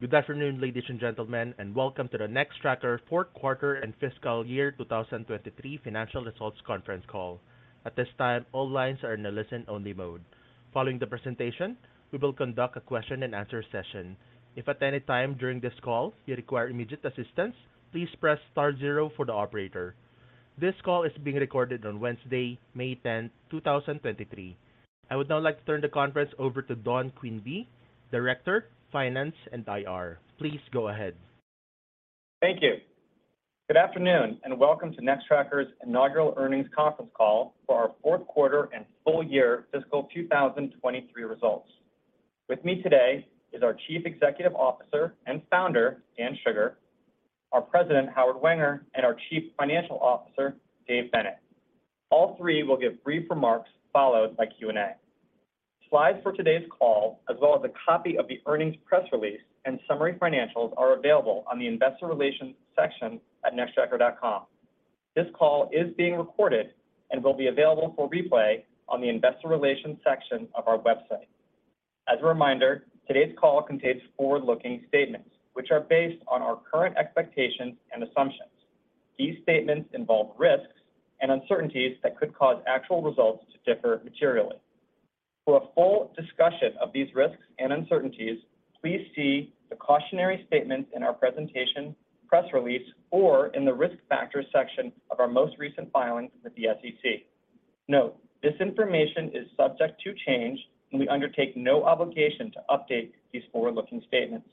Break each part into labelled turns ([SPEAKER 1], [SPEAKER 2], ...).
[SPEAKER 1] Good afternoon, ladies and gentlemen. Welcome to the Nextracker Q4 and fiscal year 2023 financial results conference call. At this time, all lines are in a listen-only mode. Following the presentation, we will conduct a question-and-answer session. If at any time during this call you require immediate assistance, please press star zero for the operator. This call is being recorded on Wednesday, May 10th, 2023. I would now like to turn the conference over to Don Quinby, Director, Finance and IR. Please go ahead.
[SPEAKER 2] Thank you. Good afternoon, welcome to Nextracker's inaugural earnings conference call for our Q4 and full year fiscal 2023 results. With me today is our Chief Executive Officer and Founder, Daniel Shugar, our President, Howard Wenger, and our Chief Financial Officer, Dave Bennett. All three will give brief remarks followed by Q&A. Slides for today's call, as well as a copy of the earnings press release and summary financials, are available on the investor relations section at nextracker.com. This call is being recorded and will be available for replay on the investor relations section of our website. As a reminder, today's call contains forward-looking statements, which are based on our current expectations and assumptions. These statements involve risks and uncertainties that could cause actual results to differ materially. For a full discussion of these risks and uncertainties, please see the cautionary statements in our presentation, press release, or in the Risk Factors section of our most recent filings with the SEC. Note: This information is subject to change, and we undertake no obligation to update these forward-looking statements.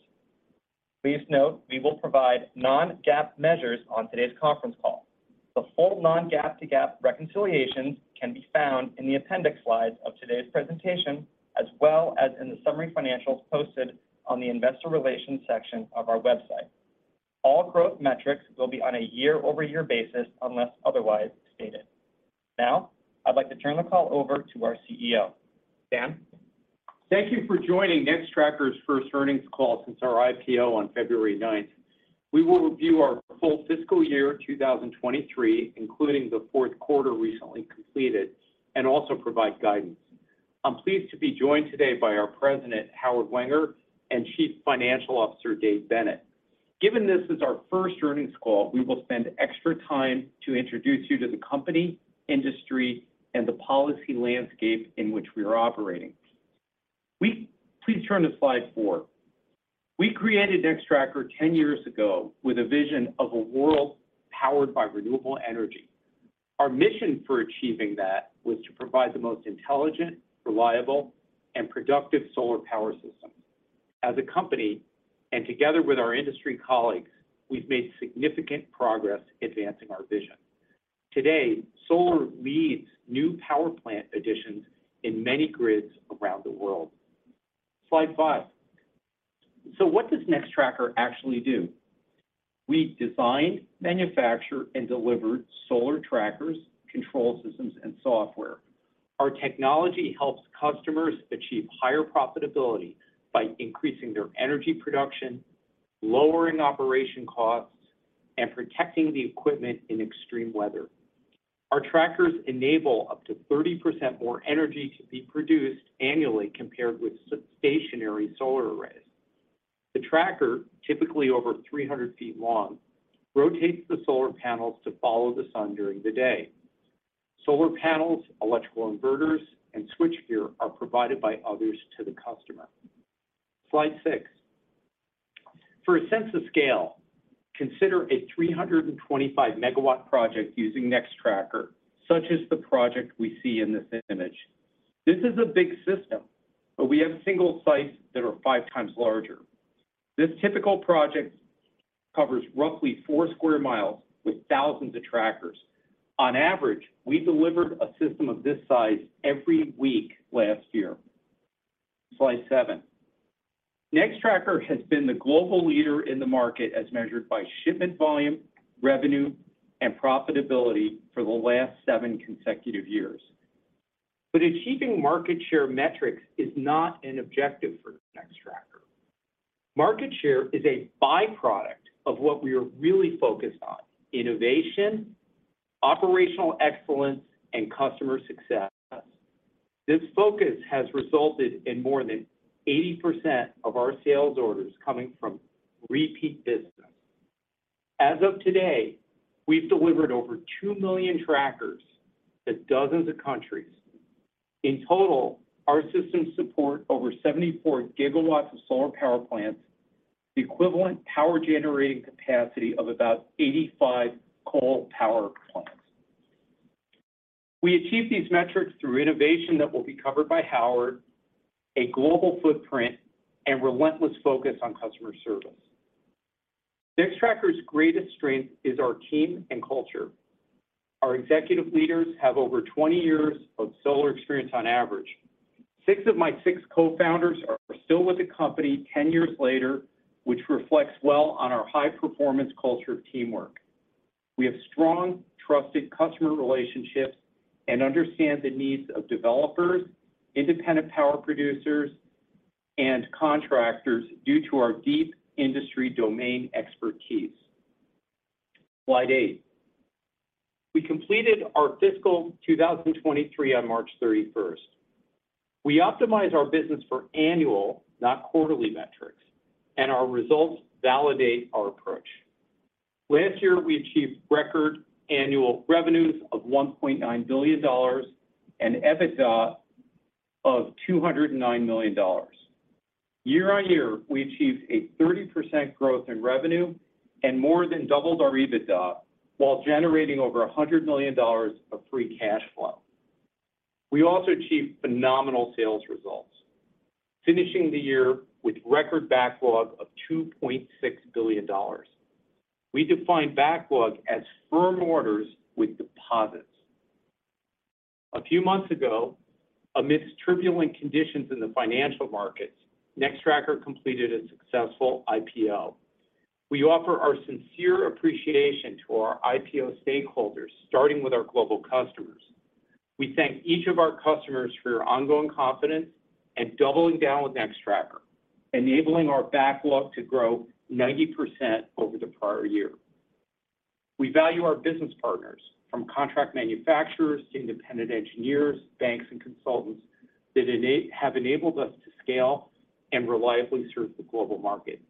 [SPEAKER 2] Please note we will provide non-GAAP measures on today's conference call. The full non-GAAP to GAAP reconciliations can be found in the appendix slides of today's presentation, as well as in the summary financials posted on the investor relations section of our website. All growth metrics will be on a year-over-year basis unless otherwise stated. Now, I'd like to turn the call over to our CEO. Dan?
[SPEAKER 3] Thank you for joining Nextracker's first earnings call since our IPO on February 9th. We will review our full fiscal year 2023, including the Q4 recently completed. Also provide guidance. I'm pleased to be joined today by our President, Howard Wenger, and Chief Financial Officer, Dave Bennett. Given this is our first earnings call, we will spend extra time to introduce you to the company, industry, and the policy landscape in which we are operating. Please turn to slide 4. We created Nextracker 10 years ago with a vision of a world powered by renewable energy. Our mission for achieving that was to provide the most intelligent, reliable, and productive solar power systems. As a company, and together with our industry colleagues, we've made significant progress advancing our vision. Today, solar leads new power plant additions in many grids around the world. Slide 5. What does Nextracker actually do? We design, manufacture, and deliver solar trackers, control systems, and software. Our technology helps customers achieve higher profitability by increasing their energy production, lowering operation costs, and protecting the equipment in extreme weather. Our trackers enable up to 30% more energy to be produced annually compared with stationary solar arrays. The tracker, typically over 300 feet long, rotates the solar panels to follow the sun during the day. Solar panels, electrical inverters, and switchgear are provided by others to the customer. Slide 6. For a sense of scale, consider a 325 megawatt project using Nextracker, such as the project we see in this image. This is a big system, but we have single sites that are 5 times larger. This typical project covers roughly 4 square mile with thousands of trackers. On average, we delivered a system of this size every week last year. Slide 7. Nextracker has been the global leader in the market as measured by shipment volume, revenue, and profitability for the last seven consecutive years. Achieving market share metrics is not an objective for Nextracker. Market share is a by-product of what we are really focused on: innovation, operational excellence, and customer success. This focus has resulted in more than 80% of our sales orders coming from repeat business. As of today, we've delivered over 2 million trackers to dozens of countries. In total, our systems support over 74 gigawatts of solar power plants, the equivalent power generating capacity of about 85 coal power plants. We achieve these metrics through innovation that will be covered by Howard, a global footprint, and relentless focus on customer service. Nextracker's greatest strength is our team and culture. Our executive leaders have over 20 years of solar experience on average. 6 of my 6 cofounders are still with the company 10 years later, which reflects well on our high-performance culture of teamwork. We have strong, trusted customer relationships and understand the needs of developers, Independent Power Producers, and contractors due to our deep industry domain expertise. Slide 8. We completed our fiscal 2023 on March 31st. We optimize our business for annual, not quarterly metrics, and our results validate our approach. Last year, we achieved record annual revenues of $1.9 billion and EBITDA of $209 million. Year-on-year, we achieved a 30% growth in revenue and more than doubled our EBITDA while generating over $100 million of free cash flow. We also achieved phenomenal sales results, finishing the year with record backlog of $2.6 billion. We define backlog as firm orders with deposits. A few months ago, amidst turbulent conditions in the financial markets, Nextracker completed a successful IPO. We offer our sincere appreciation to our IPO stakeholders, starting with our global customers. We thank each of our customers for your ongoing confidence and doubling down with Nextracker, enabling our backlog to grow 90% over the prior year. We value our business partners, from contract manufacturers to independent engineers, banks, and consultants that have enabled us to scale and reliably serve the global market.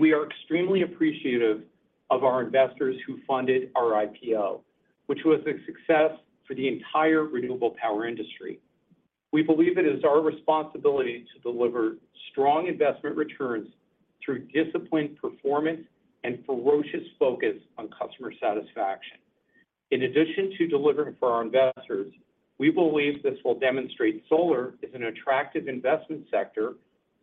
[SPEAKER 3] We are extremely appreciative of our investors who funded our IPO, which was a success for the entire renewable power industry. We believe it is our responsibility to deliver strong investment returns through disciplined performance and ferocious focus on customer satisfaction. In addition to delivering for our investors, we believe this will demonstrate solar is an attractive investment sector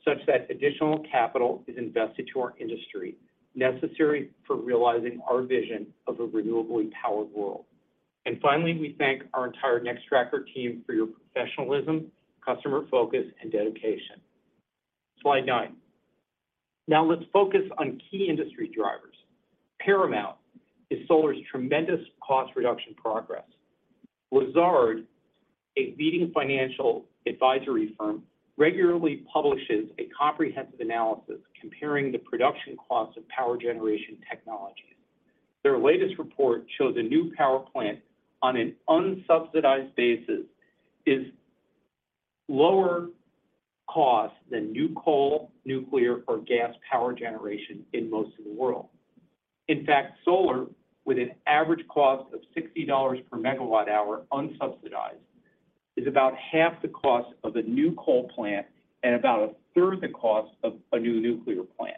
[SPEAKER 3] such that additional capital is invested to our industry, necessary for realizing our vision of a renewably powered world. Finally, we thank our entire Nextracker team for your professionalism, customer focus, and dedication. Slide 9. Now, let's focus on key industry drivers. Paramount is Solar's tremendous cost reduction progress. Lazard, a leading financial advisory firm, regularly publishes a comprehensive analysis comparing the production costs of power generation technologies. Their latest report shows a new power plant on an unsubsidized basis is lower cost than new coal, nuclear, or gas power generation in most of the world. In fact, solar, with an average cost of $60 per megawatt hour unsubsidized, is about half the cost of a new coal plant and about a third the cost of a new nuclear plant.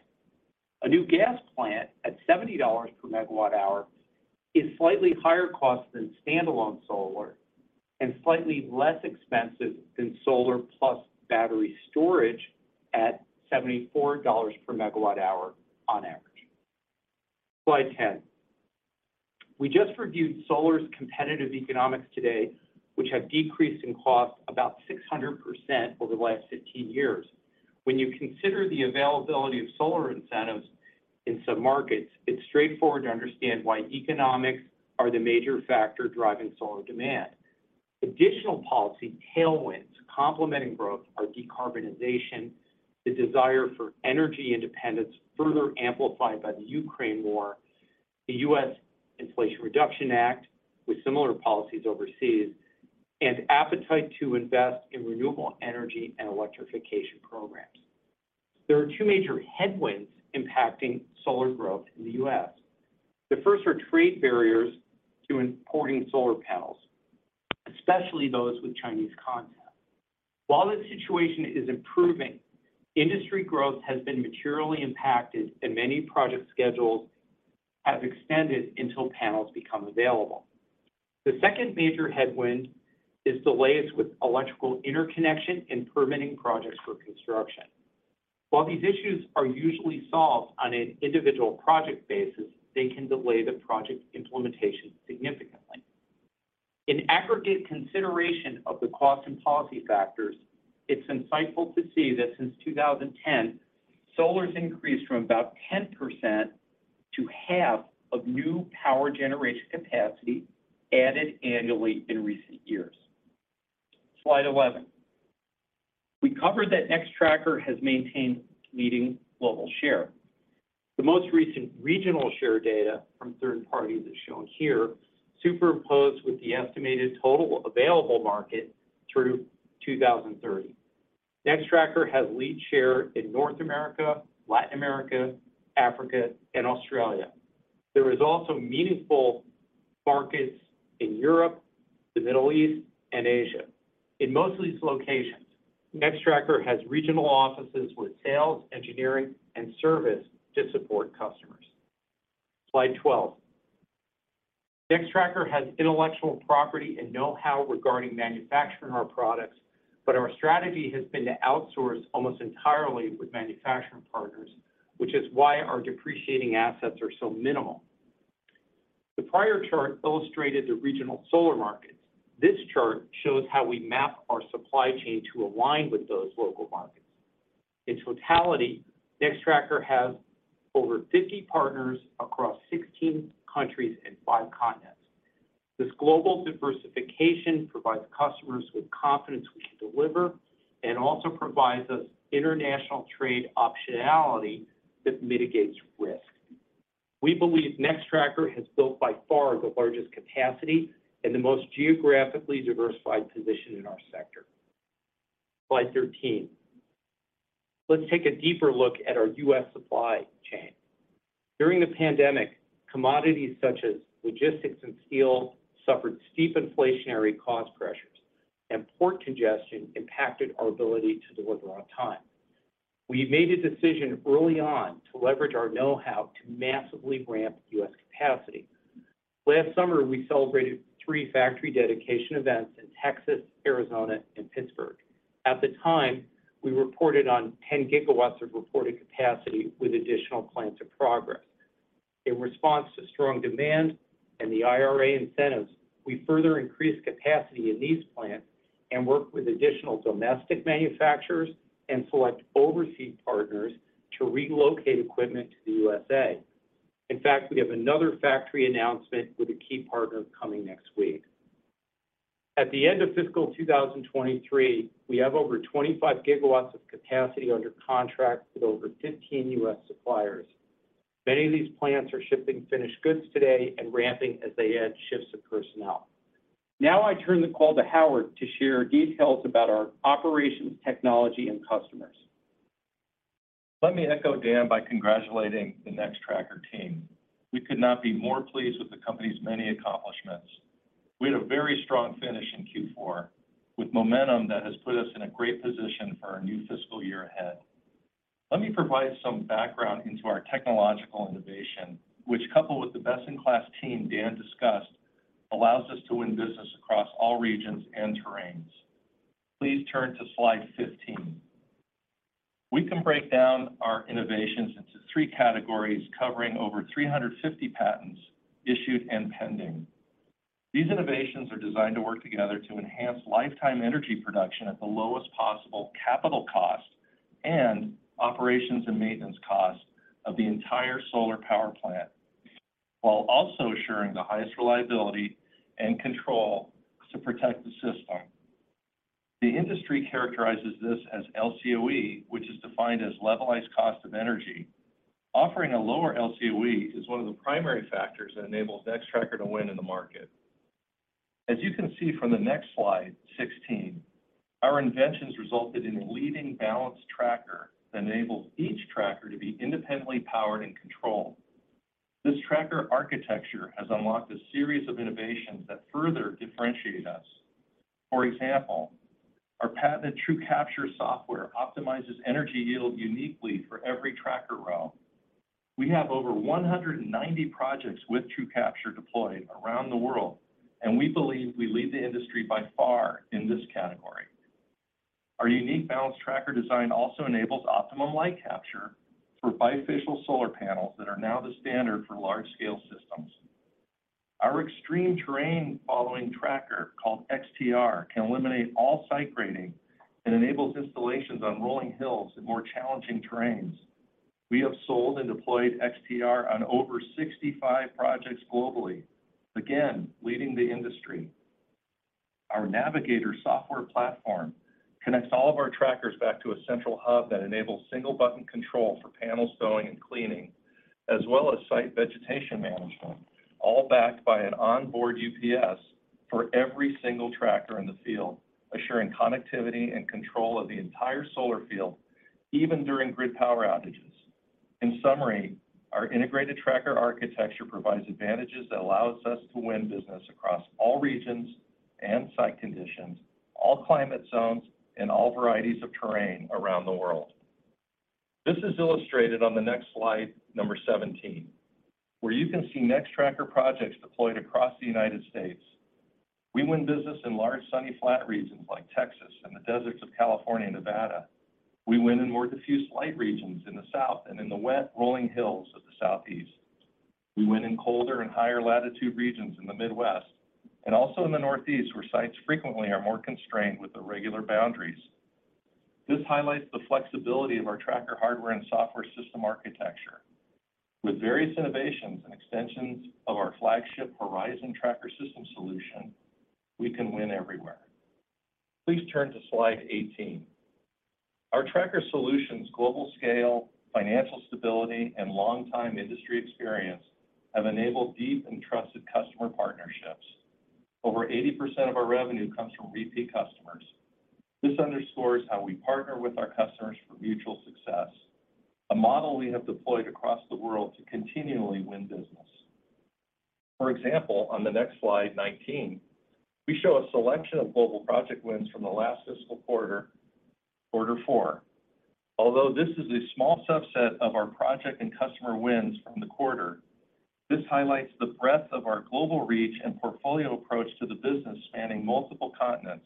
[SPEAKER 3] A new gas plant at $70 per megawatt hour is slightly higher cost than standalone solar and slightly less expensive than solar plus battery storage at $74 per megawatt hour on average. Slide 10. We just reviewed Solar's competitive economics today, which have decreased in cost about 600% over the last 15 years. When you consider the availability of solar incentives in some markets, it's straightforward to understand why economics are the major factor driving solar demand. Additional policy tailwinds complementing growth are decarbonization, the desire for energy independence further amplified by the Ukraine War, the U.S. Inflation Reduction Act with similar policies overseas, and appetite to invest in renewable energy and electrification programs. There are two major headwinds impacting solar growth in the U.S. The first are trade barriers to importing solar panels, especially those with Chinese content. While this situation is improving, industry growth has been materially impacted and many project schedules have extended until panels become available. The second major headwind is delays with electrical interconnection and permitting projects for construction. While these issues are usually solved on an individual project basis, they can delay the project implementation significantly. In aggregate consideration of the cost and policy factors, it's insightful to see that since 2010, Solar's increased from about 10% to half of new power generation capacity added annually in recent years. Slide 11. We covered that Nextracker has maintained leading global share. The most recent regional share data from third parties is shown here, superimposed with the estimated total available market through 2030. Nextracker has lead share in North America, Latin America, Africa, and Australia. There is also meaningful markets in Europe, the Middle East, and Asia. In most of these locations, Nextracker has regional offices with sales, engineering, and service to support customers. Slide 12. Nextracker has intellectual property and know-how regarding manufacturing our products, our strategy has been to outsource almost entirely with manufacturing partners, which is why our depreciating assets are so minimal. The prior chart illustrated the regional solar markets. This chart shows how we map our supply chain to align with those local markets. In totality, Nextracker has over 50 partners across 16 countries and 5 continents. This global diversification provides customers with confidence we can deliver and also provides us international trade optionality that mitigates risk. We believe Nextracker has built by far the largest capacity and the most geographically diversified position in our sector. Slide 13. Let's take a deeper look at our U.S. supply chain. During the pandemic, commodities such as logistics and steel suffered steep inflationary cost pressures, port congestion impacted our ability to deliver on time. We made a decision early on to leverage our know-how to massively ramp U.S. capacity. Last summer, we celebrated 3 factory dedication events in Texas, Arizona and Pittsburgh. At the time, we reported on 10 gigawatts of reported capacity with additional plans to progress. In response to strong demand and the IRA incentives, we further increased capacity in these plants and worked with additional domestic manufacturers and select overseas partners to relocate equipment to the USA. We have another factory announcement with a key partner coming next week. At the end of fiscal 2023, we have over 25 gigawatts of capacity under contract with over 15 U.S. suppliers. Many of these plants are shipping finished goods today and ramping as they add shifts of personnel. I turn the call to Howard to share details about our operations, technology, and customers.
[SPEAKER 4] Let me echo Dan by congratulating the Nextracker team. We could not be more pleased with the company's many accomplishments. We had a very strong finish in Q4 with momentum that has put us in a great position for our new fiscal year ahead. Let me provide some background into our technological innovation, which, coupled with the best-in-class team Dan discussed, allows us to win business across all regions and terrains. Please turn to slide 15. We can break down our innovations into 3 categories covering over 350 patents issued and pending. These innovations are designed to work together to enhance lifetime energy production at the lowest possible capital cost and operations and maintenance cost of the entire solar power plant, while also assuring the highest reliability and control to protect the system. The industry characterizes this as LCOE, which is defined as levelized cost of energy. Offering a lower LCOE is one of the primary factors that enables Nextracker to win in the market. As you can see from the next slide, 16, our inventions resulted in a leading balanced tracker that enables each tracker to be independently powered and controlled. This tracker architecture has unlocked a series of innovations that further differentiate us. For example, our patented TrueCapture software optimizes energy yield uniquely for every tracker row. We have over 190 projects with TrueCapture deployed around the world, and we believe we lead the industry by far in this category. Our unique balanced tracker design also enables optimum light capture for bifacial solar panels that are now the standard for large-scale systems. Our extreme terrain following tracker, called XTR, can eliminate all site grading and enables installations on rolling hills and more challenging terrains. We have sold and deployed XTR on over 65 projects globally, again leading the industry. Our Navigator software platform connects all of our trackers back to a central hub that enables single button control for panel stowing and cleaning, as well as site vegetation management, all backed by an onboard UPS for every single tracker in the field, assuring connectivity and control of the entire solar field, even during grid power outages. In summary, our integrated tracker architecture provides advantages that allow us to win business across all regions and site conditions, all climate zones, and all varieties of terrain around the world. This is illustrated on the next slide, number 17, where you can see Nextracker projects deployed across the United States. We win business in large, sunny, flat regions like Texas and the deserts of California and Nevada. We win in more diffuse light regions in the South and in the wet, rolling hills of the Southeast. We win in colder and higher latitude regions in the Midwest and also in the Northeast, where sites frequently are more constrained with irregular boundaries. This highlights the flexibility of our tracker hardware and software system architecture. With various innovations and extensions of our flagship Horizon tracker system solution, we can win everywhere. Please turn to slide 18. Our tracker solutions global scale, financial stability, and long-time industry experience have enabled deep and trusted customer partnerships. Over 80% of our revenue comes from repeat customers. This underscores how we partner with our customers for mutual success, a model we have deployed across the world to continually win business. On the next slide, 19, we show a selection of global project wins from the last fiscal Q4. Although this is a small subset of our project and customer wins from the quarter, this highlights the breadth of our global reach and portfolio approach to the business spanning multiple continents.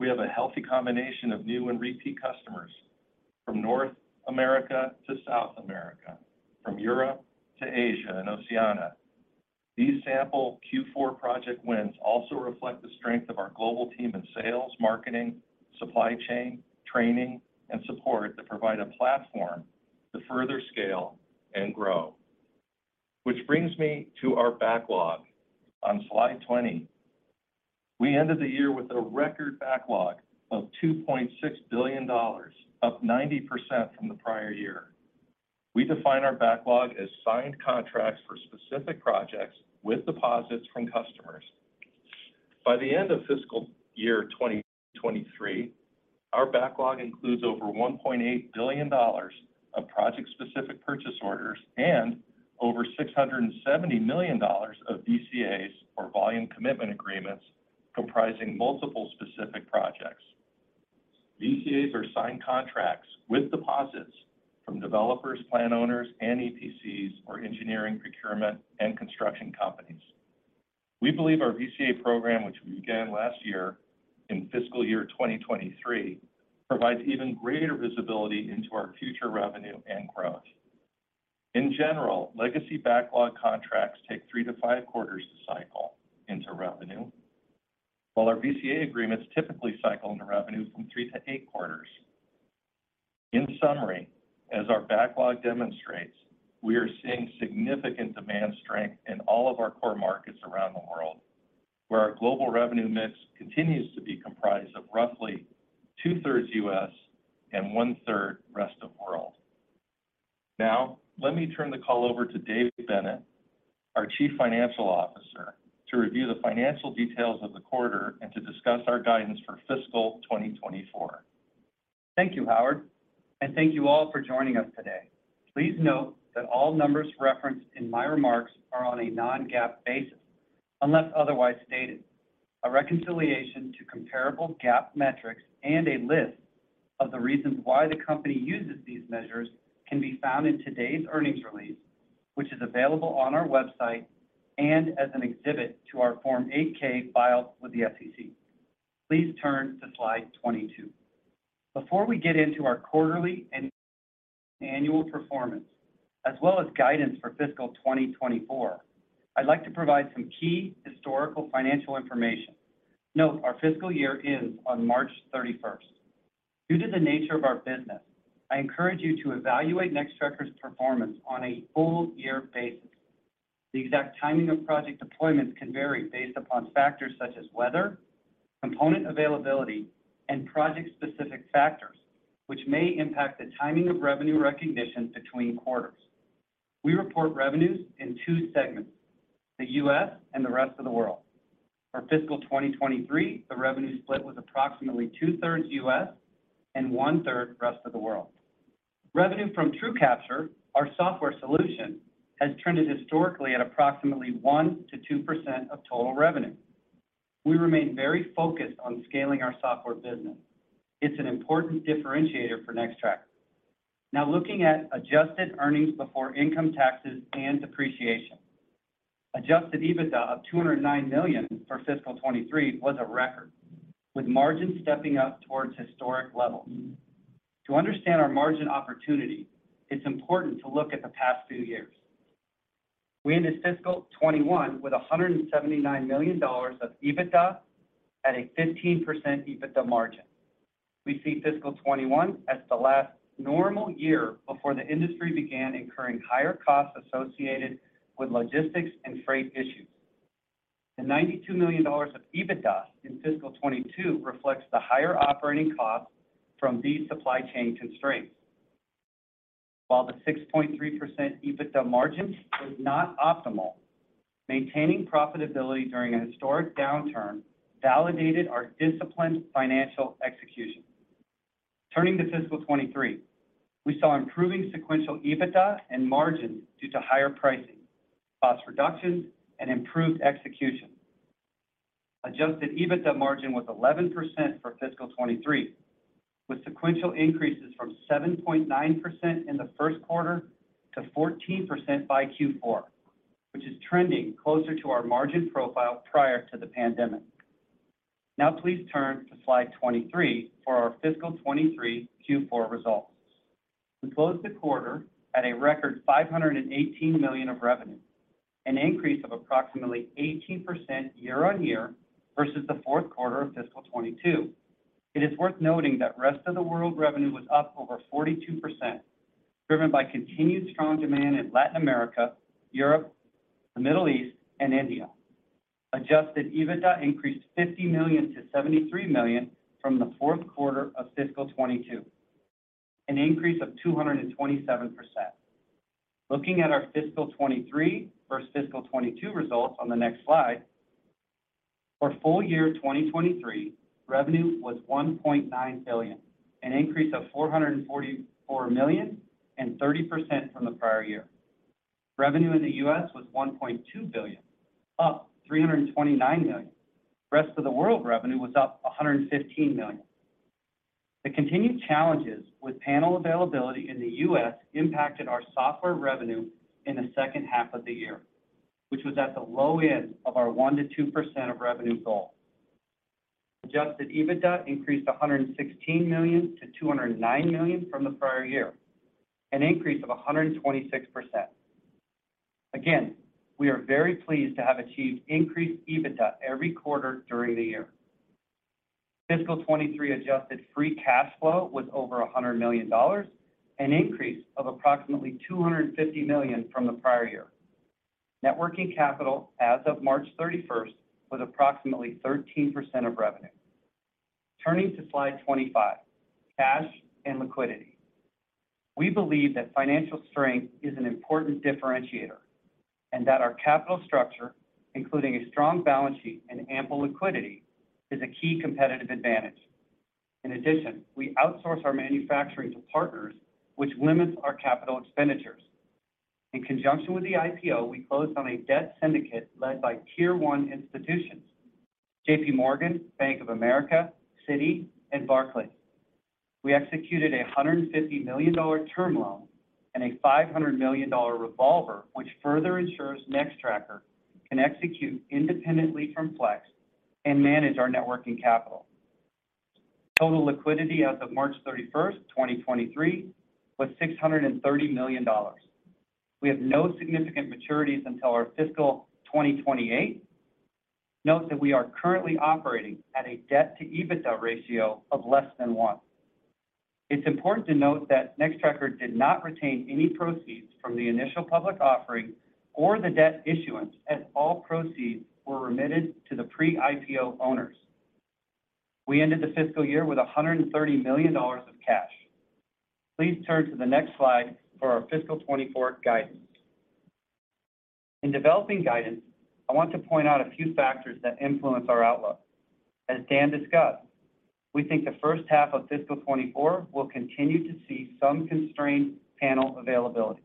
[SPEAKER 4] We have a healthy combination of new and repeat customers from North America to South America, from Europe to Asia and Oceania. These sample Q4 project wins also reflect the strength of our global team in sales, marketing, supply chain, training, and support that provide a platform to further scale and grow. Which brings me to our backlog on slide 20. We ended the year with a record backlog of $2.6 billion, up 90% from the prior year. We define our backlog as signed contracts for specific projects with deposits from customers. By the end of fiscal year 2023, our backlog includes over $1.8 billion of project-specific purchase orders and over $670 million of VCAs, or volume commitment agreements, comprising multiple specific projects. VCAs are signed contracts with deposits from developers, plant owners, and EPCs, or engineering, procurement, and construction companies. We believe our VCA program, which we began last year in fiscal year 2023, provides even greater visibility into our future revenue and growth. In general, legacy backlog contracts take 3-5 quarters to cycle into revenue, while our VCA agreements typically cycle into revenue from 3-8 quarters. In summary, as our backlog demonstrates, we are seeing significant demand strength in all of our core markets around the world, where our global revenue mix continues to be comprised of roughly two-thirds U.S. and one-third rest of the world. Now, let me turn the call over to Dave Bennett, our Chief Financial Officer, to review the financial details of the quarter and to discuss our guidance for fiscal 2024.
[SPEAKER 5] Thank you, Howard, thank you all for joining us today. Please note that all numbers referenced in my remarks are on a non-GAAP basis, unless otherwise stated. A reconciliation to comparable GAAP metrics and a list of the reasons why the company uses these measures can be found in today's earnings release, which is available on our website and as an exhibit to our Form 8-K filed with the SEC. Please turn to slide 22. Before we get into our quarterly and annual performance, as well as guidance for fiscal 2024, I'd like to provide some key historical financial information. Note our fiscal year ends on March 31st. Due to the nature of our business, I encourage you to evaluate Nextracker's performance on a full year basis. The exact timing of project deployments can vary based upon factors such as weather, component availability, and project-specific factors, which may impact the timing of revenue recognition between quarters. We report revenues in two segments: the U.S. and the rest of the world. For fiscal 2023, the revenue split was approximately 2/3 U.S. and 1/3 rest of the world. Revenue from TrueCapture, our software solution, has trended historically at approximately 1%-2% of total revenue. We remain very focused on scaling our software business. It's an important differentiator for Nextracker. Looking at adjusted earnings before income taxes and depreciation. Adjusted EBITDA of $209 million for fiscal 2023 was a record, with margins stepping up towards historic levels. To understand our margin opportunity, it's important to look at the past few years. We ended fiscal 21 with $179 million of EBITDA at a 15% EBITDA margin. We see fiscal 21 as the last normal year before the industry began incurring higher costs associated with logistics and freight issues. The $92 million of EBITDA in fiscal 22 reflects the higher operating costs from these supply chain constraints. While the 6.3% EBITDA margin was not optimal, maintaining profitability during a historic downturn validated our disciplined financial execution. Turning to fiscal 23, we saw improving sequential EBITDA and margins due to higher pricing, cost reductions, and improved execution. Adjusted EBITDA margin was 11% for fiscal 23, with sequential increases from 7.9% in the first quarter to 14% by Q4, which is trending closer to our margin profile prior to the pandemic. Please turn to slide 23 for our fiscal 23 Q4 results. We closed the quarter at a record $518 million of revenue, an increase of approximately 18% year-over-year versus the Q4 of fiscal 22. It is worth noting that rest of the world revenue was up over 42%, driven by continued strong demand in Latin America, Europe, the Middle East, and India. Adjusted EBITDA increased $50 million to $73 million from the Q4 of fiscal 22, an increase of 227%. Looking at our fiscal 23 versus fiscal 22 results on the next slide. For full year 2023, revenue was $1.9 billion, an increase of $444 million and 30% from the prior year. Revenue in the U.S. was $1.2 billion, up $329 million. Rest of the world revenue was up $115 million. The continued challenges with panel availability in the U.S. impacted our software revenue in the second half of the year, which was at the low end of our 1%-2% of revenue goal. Adjusted EBITDA increased $116 million to $209 million from the prior year, an increase of 126%. Again, we are very pleased to have achieved increased EBITDA every quarter during the year. Fiscal 2023 adjusted free cash flow was over $100 million, an increase of approximately $250 million from the prior year. Networking capital as of March 31st was approximately 13% of revenue. Turning to slide 25, cash and liquidity. We believe that financial strength is an important differentiator and that our capital structure, including a strong balance sheet and ample liquidity, is a key competitive advantage. In addition, we outsource our manufacturing to partners, which limits our capital expenditures. In conjunction with the IPO, we closed on a debt syndicate led by tier one institutions, JP Morgan, Bank of America, Citi, and Barclays. We executed a $150 million term loan and a $500 million revolver, which further ensures Nextracker can execute independently from Flex and manage our networking capital. Total liquidity as of March 31, 2023, was $630 million. We have no significant maturities until our fiscal 2028. Note that we are currently operating at a debt to EBITDA ratio of less than 1. It's important to note that Nextracker did not retain any proceeds from the initial public offering or the debt issuance, as all proceeds were remitted to the Pre-IPO owners. We ended the fiscal year with $130 million of cash. Please turn to the next slide for our fiscal 2024 guidance. In developing guidance, I want to point out a few factors that influence our outlook. As Dan discussed, we think the first half of fiscal 2024 will continue to see some constrained panel availability.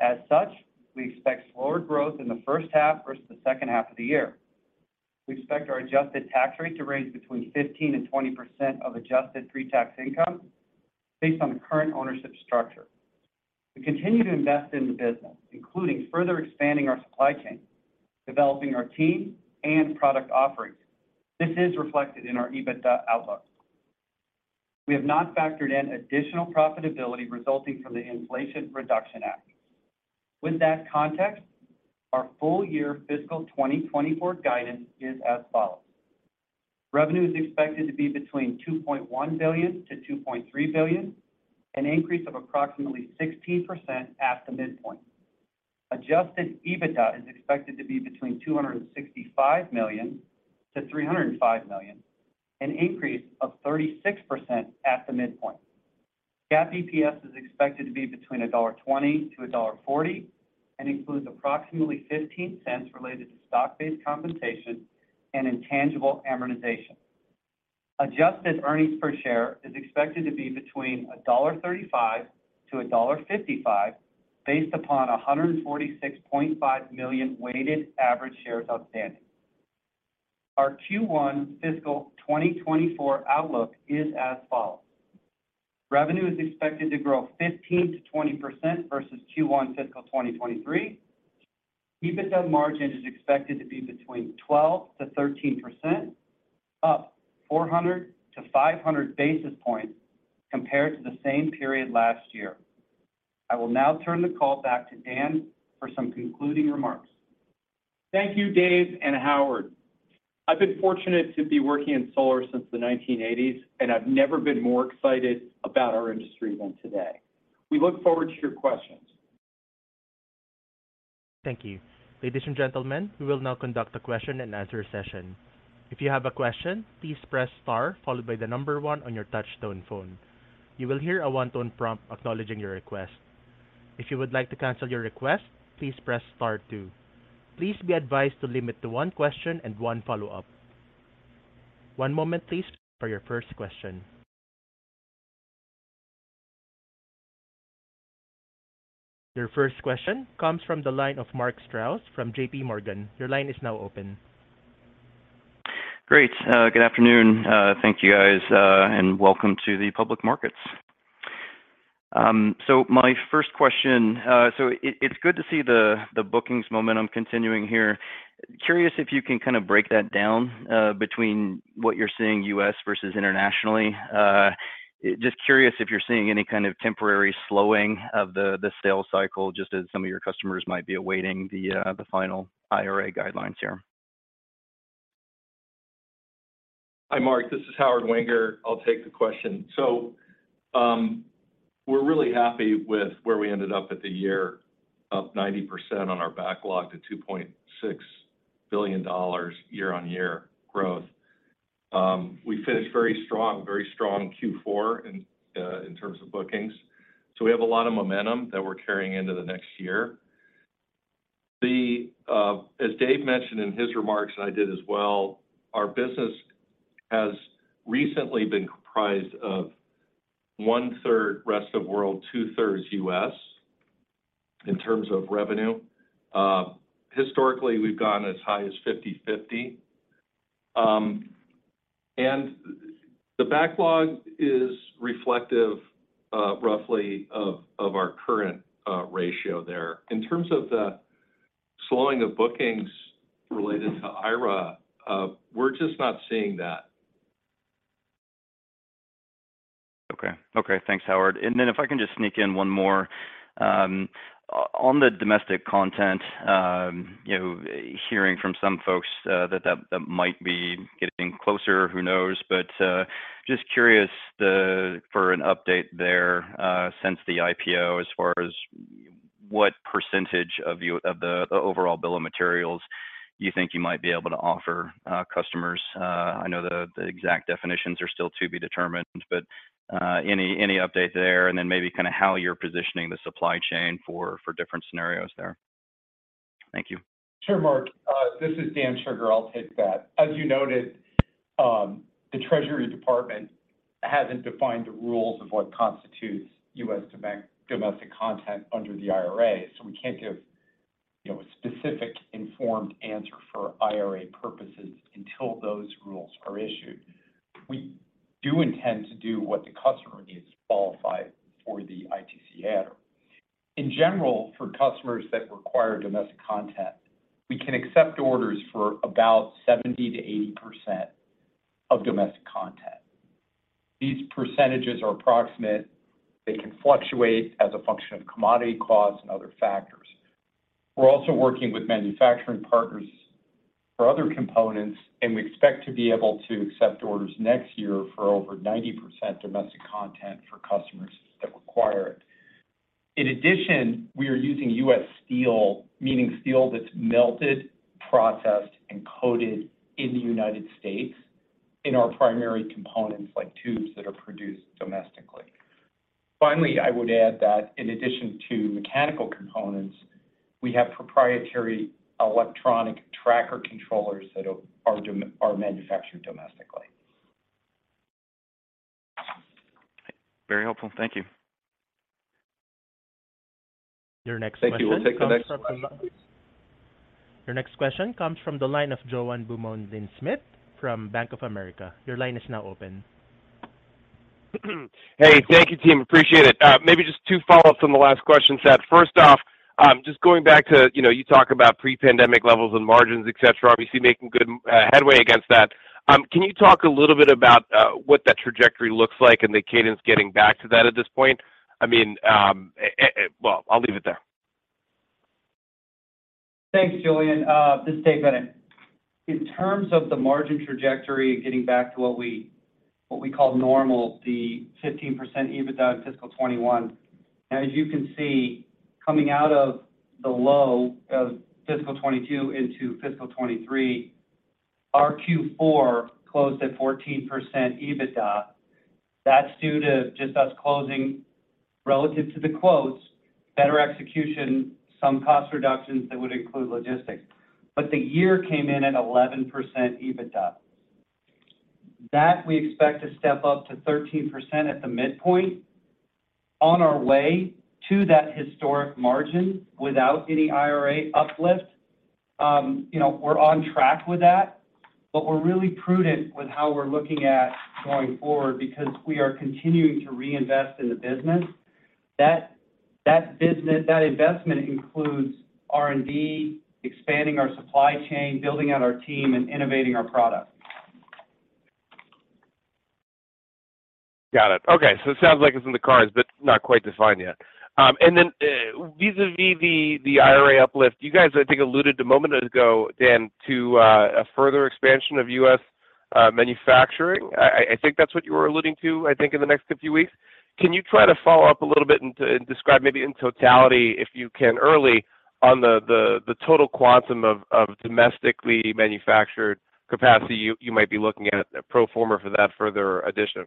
[SPEAKER 5] As such, we expect slower growth in the first half versus the second half of the year. We expect our adjusted tax rate to range between 15% and 20% of adjusted pre-tax income based on the current ownership structure. We continue to invest in the business, including further expanding our supply chain, developing our team, and product offerings. This is reflected in our EBITDA outlook. We have not factored in additional profitability resulting from the Inflation Reduction Act. With that context, our full year fiscal 2024 guidance is as follows: Revenue is expected to be between $2.1 billion-$2.3 billion, an increase of approximately 16% at the midpoint. Adjusted EBITDA is expected to be between $265 million-$305 million, an increase of 36% at the midpoint. GAAP EPS is expected to be between $1.20-$1.40 and includes approximately $0.15 related to stock-based compensation and intangible amortization. Adjusted earnings per share is expected to be between $1.35-$1.55, based upon 146.5 million weighted average shares outstanding. Our Q1 fiscal 2024 outlook is as follows: Revenue is expected to grow 15%-20% versus Q1 fiscal 2023. EBITDA margin is expected to be between 12%-13%, up 400 to 500 basis points compared to the same period last year. I will now turn the call back to Dan for some concluding remarks.
[SPEAKER 3] Thank you, Dave and Howard. I've been fortunate to be working in solar since the 1980s, and I've never been more excited about our industry than today. We look forward to your questions.
[SPEAKER 1] Thank you. Ladies and gentlemen, we will now conduct a question and answer session. If you have a question, please press star followed by the number 1 on your touch tone phone. You will hear a 1-tone prompt acknowledging your request. If you would like to cancel your request, please press star 2. Please be advised to limit to 1 question and 1 follow-up. 1 moment please for your first question. Your first question comes from the line of Mark Strouse from JP Morgan. Your line is now open.
[SPEAKER 6] Great. Good afternoon. Thank you, guys, and welcome to the public markets. My first question. It's good to see the bookings momentum continuing here. Curious if you can kind of break that down between what you're seeing U.S. versus internationally? Just curious if you're seeing any kind of temporary slowing of the sales cycle, just as some of your customers might be awaiting the final IRA guidelines here?
[SPEAKER 4] Hi, Mark. This is Howard Wenger. I'll take the question. We're really happy with where we ended up at the year, up 90% on our backlog to $2.6 billion year-over-year growth. We finished very strong Q4 in terms of bookings. We have a lot of momentum that we're carrying into the next year. As Dave mentioned in his remarks, and I did as well, our business has recently been comprised of 1/3 rest of world, 2/3 U.S. in terms of revenue. Historically, we've gone as high as 50/50. And the backlog is reflective roughly of our current ratio there. In terms of the slowing of bookings related to IRA, we're just not seeing that.
[SPEAKER 6] Okay. Okay, thanks Howard. If I can just sneak in one more. On the domestic content, hearing from some folks that might be getting closer, who knows. Just curious for an update there since the IPO as far as what percentage of the overall bill of materials you think you might be able to offer customers? I know the exact definitions are still to be determined, but any update there? Maybe kind of how you're positioning the supply chain for different scenarios there. Thank you.
[SPEAKER 3] Mark Strouse. This is Daniel Shugar. I'll take that. As you noted, the Treasury Department hasn't defined the rules of what constitutes U.S. domestic content under the IRA, so we can't give, a specific informed answer for IRA purposes until those rules are issued. We do intend to do what the customer needs to qualify for the ITC adder. In general, for customers that require domestic content, we can accept orders for about 70%-80% of domestic content. These percentages are approximate. They can fluctuate as a function of commodity costs and other factors. We're also working with manufacturing partners for other components, and we expect to be able to accept orders next year for over 90% domestic content for customers that require it. We are using U.S. steel, meaning steel that's melted, processed, and coated in the United States in our primary components like tubes that are produced domestically. I would add that in addition to mechanical components, we have proprietary electronic tracker controllers that are manufactured domestically.
[SPEAKER 6] Very helpful. Thank you.
[SPEAKER 1] Your next question comes from.
[SPEAKER 3] Thank you. We'll take the next question, please.
[SPEAKER 1] Your next question comes from the line of Julien Dumoulin-Smith from Bank of America. Your line is now open.
[SPEAKER 7] Thank you team. Appreciate it. Maybe just two follow-ups on the last question set. First off, just going back to, you talk about pre-pandemic levels and margins, et cetera. Obviously making good headway against that. Can you talk a little bit about what that trajectory looks like and the cadence getting back to that at this point? I mean, well, I'll leave it there.
[SPEAKER 5] Thanks, Julien. This is Dave Bennett. In terms of the margin trajectory, getting back to what we call normal, the 15% EBITDA in fiscal 2021. As you can see, coming out of the low of fiscal 2022 into fiscal 2023, our Q4 closed at 14% EBITDA. The year came in at 11% EBITDA. That we expect to step up to 13% at the midpoint on our way to that historic margin without any IRA uplift. we're on track with that, but we're really prudent with how we're looking at going forward because we are continuing to reinvest in the business. That investment includes R&D, expanding our supply chain, building out our team, and innovating our products.
[SPEAKER 7] Got it. Okay. It sounds like it's in the cards but not quite defined yet. Vis-a-vis the IRA uplift, you guys I think alluded a moment ago, Dan, to a further expansion of U.S. manufacturing. I think that's what you were alluding to, I think, in the next few weeks. Can you try to follow up a little bit and describe maybe in totality if you can early on the total quantum of domestically manufactured capacity you might be looking at a pro forma for that further addition?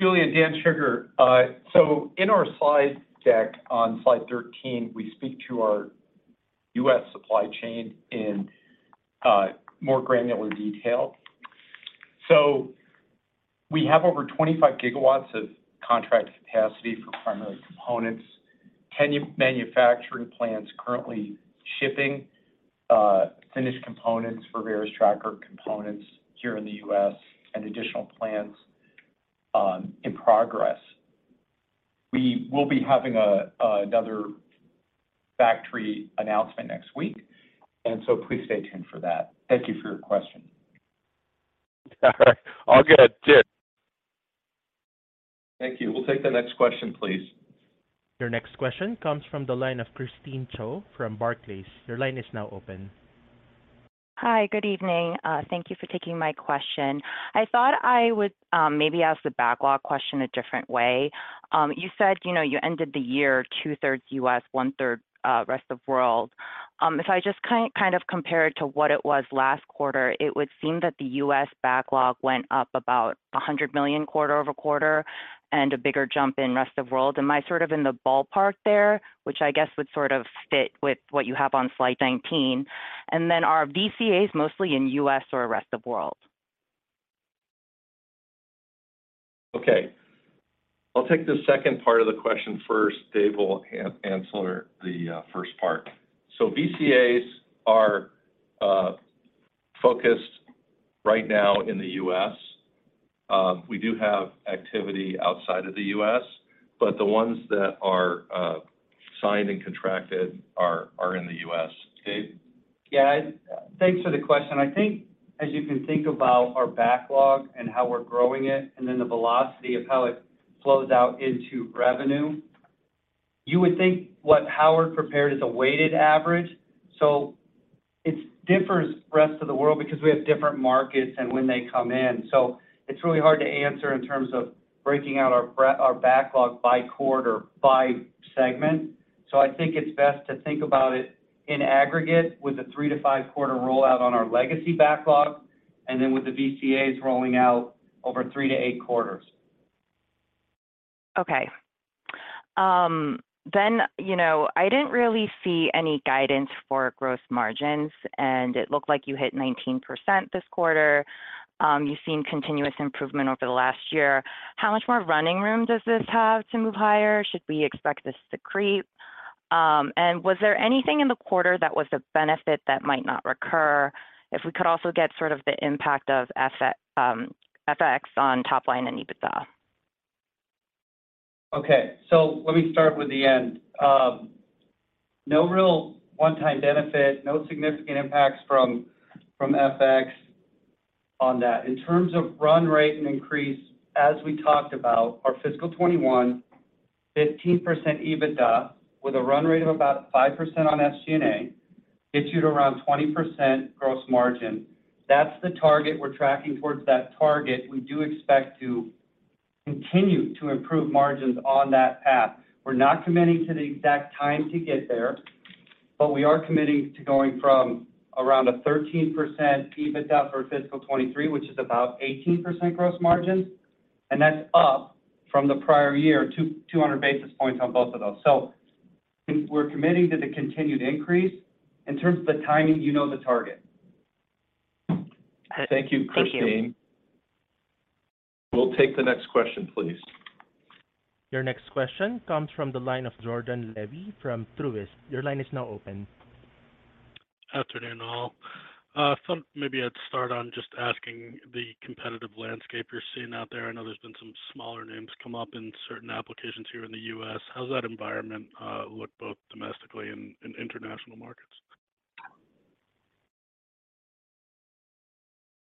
[SPEAKER 3] Julien, Daniel Shugar. In our slide deck on slide 13, we speak to our US supply chain in more granular detail. We have over 25 gigawatts of contract capacity for primary components. 10 manufacturing plants currently shipping finished components for Verus Tracker components here in the U.S. and additional plants in progress. We will be having another factory announcement next week, please stay tuned for that. Thank you for your question.
[SPEAKER 7] All right, all good. Cheers.
[SPEAKER 3] Thank you. We'll take the next question, please.
[SPEAKER 1] Your next question comes from the line of Christine Cho from Barclays. Your line is now open.
[SPEAKER 8] Hi. Good evening. Thank you for taking my question. I thought I would maybe ask the backlog question a different way. You said, you ended the year 2/3 U.S., 1/3 rest of world. If I just kind of compare it to what it was last quarter, it would seem that the U.S. backlog went up about $100 million quarter-over-quarter and a bigger jump in rest of world. Am I sort of in the ballpark there, which I guess would sort of fit with what you have on slide 19? Are VCAs mostly in U.S. or rest of world?
[SPEAKER 3] Okay. I'll take the second part of the question first. Dave will answer the first part. VCAs are focused right now in the U.S. We do have activity outside of the U.S., but the ones that are signed and contracted are in the U.S. Dave?
[SPEAKER 5] Thanks for the question. I think as you can think about our backlog and how we're growing it, and then the velocity of how it flows out into revenue, you would think what Howard prepared is a weighted average. It differs rest of the world because we have different markets and when they come in. It's really hard to answer in terms of breaking out our backlog by quarter, by segment. I think it's best to think about it in aggregate with a 3-5 quarter rollout on our legacy backlog, and then with the VCAs rolling out over 3-8 quarters.
[SPEAKER 8] Okay. I didn't really see any guidance for gross margins, and it looked like you hit 19% this quarter. You've seen continuous improvement over the last year. How much more running room does this have to move higher? Should we expect this to creep? Was there anything in the quarter that was a benefit that might not recur? If we could also get sort of the impact of asset, FX on top line and EBITDA.
[SPEAKER 5] Okay. Let me start with the end. No real one-time benefit, no significant impacts from FX on that. In terms of run rate and increase, as we talked about, our fiscal 2021 15% EBITDA with a run rate of about 5% on SG&A gets you to around 20% gross margin. That's the target. We're tracking towards that target. We do expect to continue to improve margins on that path. We're not committing to the exact time to get there, but we are committing to going from around a 13% EBITDA for fiscal 2023, which is about 18% gross margins, that's up from the prior year, 200 basis points on both of those. We're committing to the continued increase. In terms of the timing, you know the target.
[SPEAKER 4] Thank you, Christine.
[SPEAKER 8] Thank you.
[SPEAKER 4] We'll take the next question, please.
[SPEAKER 1] Your next question comes from the line of Jordan Levy from Truist. Your line is now open.
[SPEAKER 9] Afternoon, all. thought maybe I'd start on just asking the competitive landscape you're seeing out there. I know there's been some smaller names come up in certain applications here in the U.S. How's that environment, look both domestically and in international markets?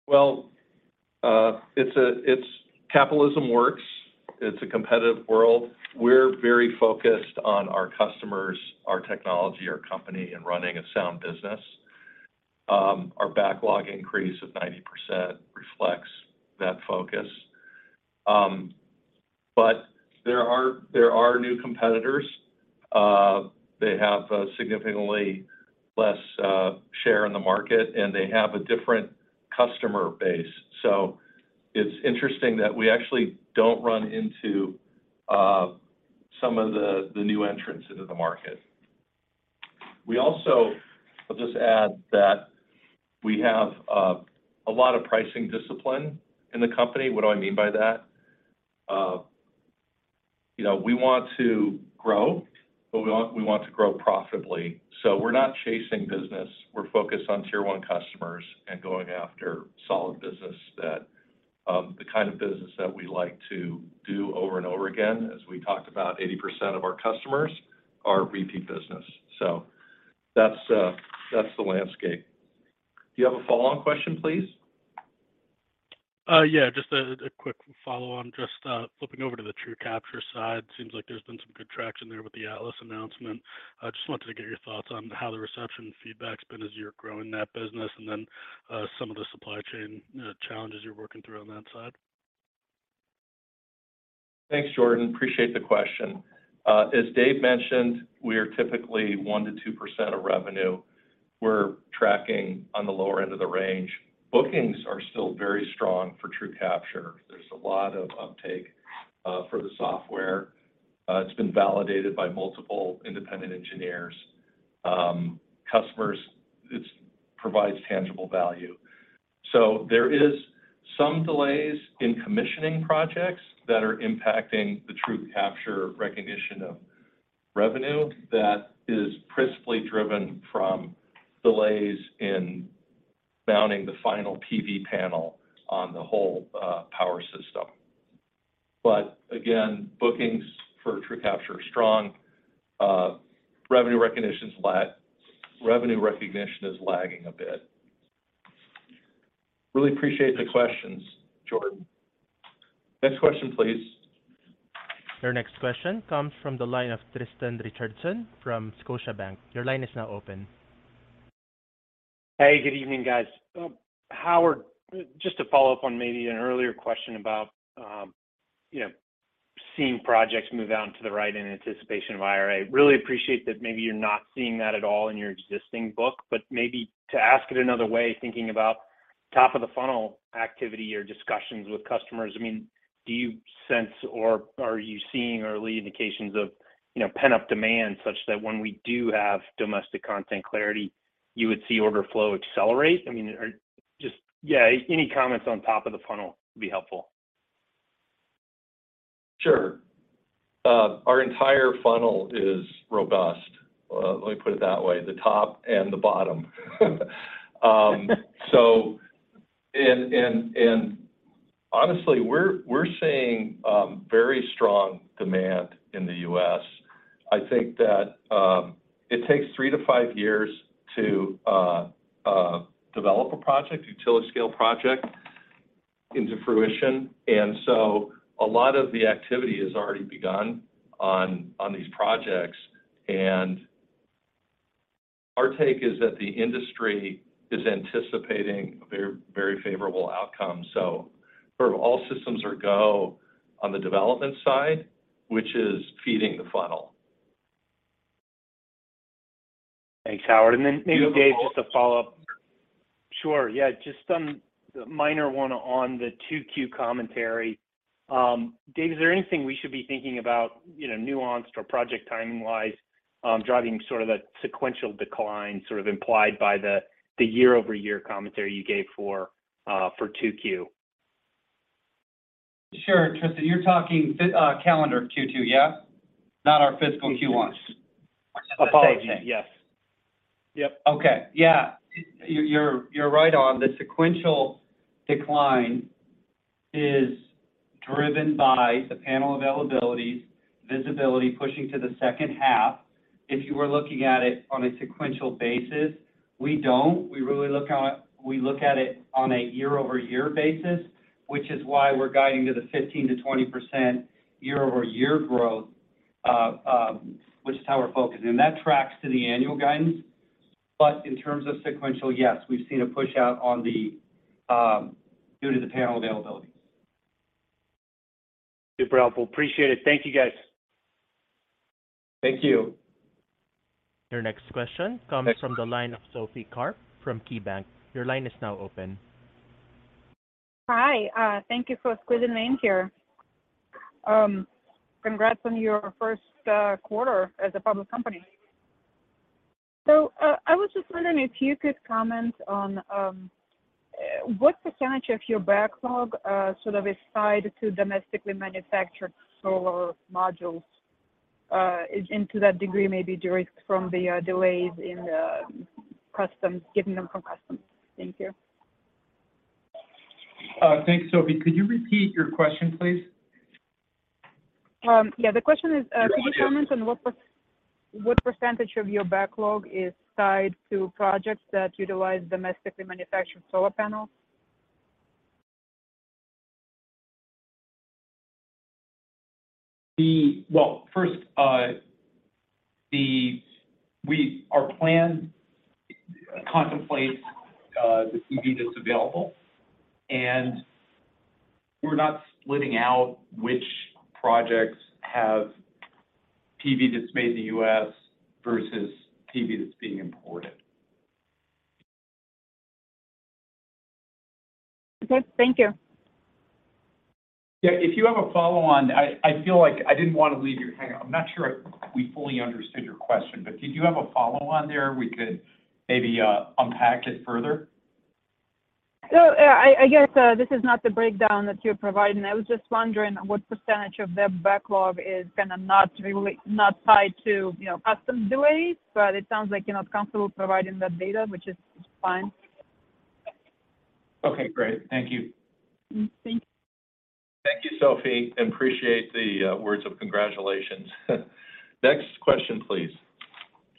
[SPEAKER 4] Well, it's capitalism works. It's a competitive world. We're very focused on our customers, our technology, our company, and running a sound business. Our backlog increase of 90% reflects that focus. There are new competitors. They have significantly less share in the market, and they have a different customer base. It's interesting that we actually don't run into some of the new entrants into the market. We also I'll just add that we have a lot of pricing discipline in the company. What do I mean by that? we want to grow, but we want to grow profitably. We're not chasing business. We're focused on tier one customers and going after solid business that, the kind of business that we like to do over and over again. As we talked about, 80% of our customers are repeat business. That's the landscape. Do you have a follow-on question, please?
[SPEAKER 9] Just a quick follow-on. Just, flipping over to the TrueCapture side. Seems like there's been some good traction there with the Atlas announcement. I just wanted to get your thoughts on how the reception and feedback's been as you're growing that business and then, some of the supply chain, challenges you're working through on that side.
[SPEAKER 4] Thanks, Jordan. Appreciate the question. As Dave mentioned, we are typically 1% to 2% of revenue. We're tracking on the lower end of the range. Bookings are still very strong for TrueCapture. There's a lot of uptake for the software. It's been validated by multiple independent engineers. Customers, it's provides tangible value. There is some delays in commissioning projects that are impacting the TrueCapture recognition of revenue that is principally driven from delays in mounting the final PV panel on the whole power system. Again, bookings for TrueCapture are strong. Revenue recognition is lagging a bit. Really appreciate the questions, Jordan. Next question, please.
[SPEAKER 1] Your next question comes from the line of Tristan Richardson from Scotiabank. Your line is now open.
[SPEAKER 10] Hey, good evening, guys. Howard, just to follow up on maybe an earlier question about, seeing projects move out into the right in anticipation of IRA. Really appreciate that maybe you're not seeing that at all in your existing book, but maybe to ask it another way, thinking about top of the funnel activity or discussions with customers. I mean, do you sense or are you seeing early indications of, pent-up demand such that when we do have domestic content clarity, you would see overflow accelerate? I mean, Just, yeah, any comments on top of the funnel would be helpful.
[SPEAKER 4] Sure. Our entire funnel is robust. Let me put it that way, the top and the bottom. Honestly, we're seeing very strong demand in the U.S. I think that it takes 3 to 5 years to develop a project, utility-scale project into fruition. A lot of the activity has already begun on these projects. Our take is that the industry is anticipating a very favorable outcome. Sort of all systems are go on the development side, which is feeding the funnel.
[SPEAKER 10] Thanks, Howard.
[SPEAKER 4] Then maybe Dave, just to follow up.
[SPEAKER 5] Sure. just some minor 1 on the 2Q commentary.
[SPEAKER 10] Dave, is there anything we should be thinking about, nuanced or project timing-wise, driving sort of that sequential decline sort of implied by the year-over-year commentary you gave for 2Q?
[SPEAKER 5] Sure. Tristan, you're talking calendar Q2, yeah? Not our fiscal Q1s.
[SPEAKER 10] Apologies, yes. Yep.
[SPEAKER 5] Okay. You're right on. The sequential decline is driven by the panel availability, visibility pushing to the second half. If you were looking at it on a sequential basis, we don't. We really look at it on a year-over-year basis, which is why we're guiding to the 15%-20% year-over-year growth, which is how we're focused. That tracks to the annual guidance. In terms of sequential, yes, we've seen a push out on the, due to the panel availabilities.
[SPEAKER 10] Super helpful. Appreciate it. Thank you, guys.
[SPEAKER 5] Thank you.
[SPEAKER 1] Your next question comes from the line of Sophie Karp from KeyBank. Your line is now open.
[SPEAKER 11] Hi. Thank you for squeezing me in here. Congrats on your first quarter as a public company. I was just wondering if you could comment on what % of your backlog sort of is tied to domestically manufactured solar modules, and to that degree, maybe derived from the delays in getting them from Customs? Thank you.
[SPEAKER 3] Thanks, Sophie. Could you repeat your question, please?
[SPEAKER 11] The question is, could you comment on what % of your backlog is tied to projects that utilize domestically manufactured solar panels?
[SPEAKER 3] Well, first, our plan contemplates the PV that's available. We're not splitting out which projects have PV that's made in the U.S. versus PV that's being imported.
[SPEAKER 11] Okay. Thank you.
[SPEAKER 3] If you have a follow-on, I feel like I didn't want to leave you hanging. I'm not sure we fully understood your question, but did you have a follow-on there we could maybe unpack it further?
[SPEAKER 11] I guess, this is not the breakdown that you're providing. I was just wondering what percentage of the backlog is kinda not tied to, custom delays. It sounds like you're not comfortable providing that data, which is fine.
[SPEAKER 3] Okay, great. Thank you.
[SPEAKER 11] Thank you.
[SPEAKER 3] Thank you, Sophie. Appreciate the words of congratulations. Next question, please.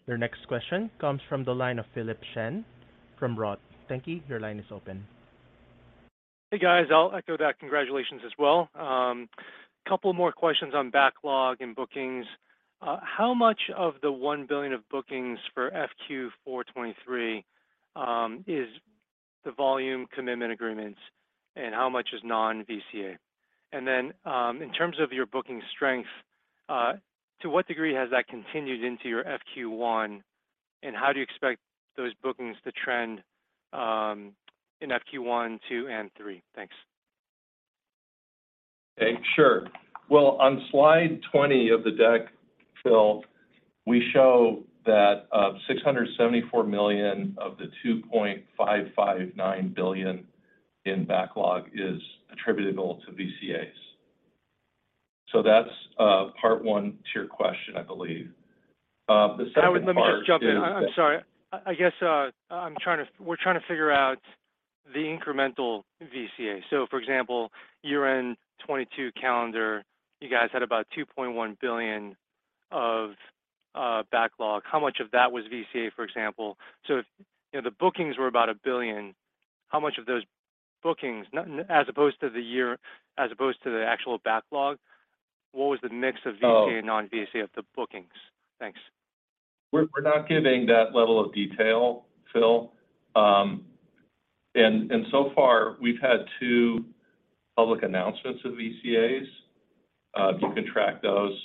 [SPEAKER 1] Your next question comes from the line of Philip Shen from Roth. Thank you. Your line is open.
[SPEAKER 12] Hey, guys. I'll echo that congratulations as well. Couple more questions on backlog and bookings. How much of the $1 billion of bookings for FQ 4 2023 is the Volume Commitment Agreements, and how much is non-VCA? Then, in terms of your booking strength, to what degree has that continued into your FQ 1, and how do you expect those bookings to trend in FQ 1, 2, and 3? Thanks.
[SPEAKER 5] Okay. Sure. On slide 20 of the deck, Phil, we show that, $674 million of the $2.559 billion in backlog is attributable to VCAs. That's, part one to your question, I believe. The second part.
[SPEAKER 12] Howard, let me just jump in. I'm sorry. I guess, we're trying to figure out the incremental VCA. For example, year-end 2022 calendar, you guys had about $2.1 billion of backlog. How much of that was VCA, for example? If, the bookings were about $1 billion, how much of those bookings, as opposed to the actual backlog, what was the mix of VCA and non-VCA of the bookings? Thanks.
[SPEAKER 4] We're not giving that level of detail, Philip Shen. So far, we've had 2 public announcements of VCAs. If you can track those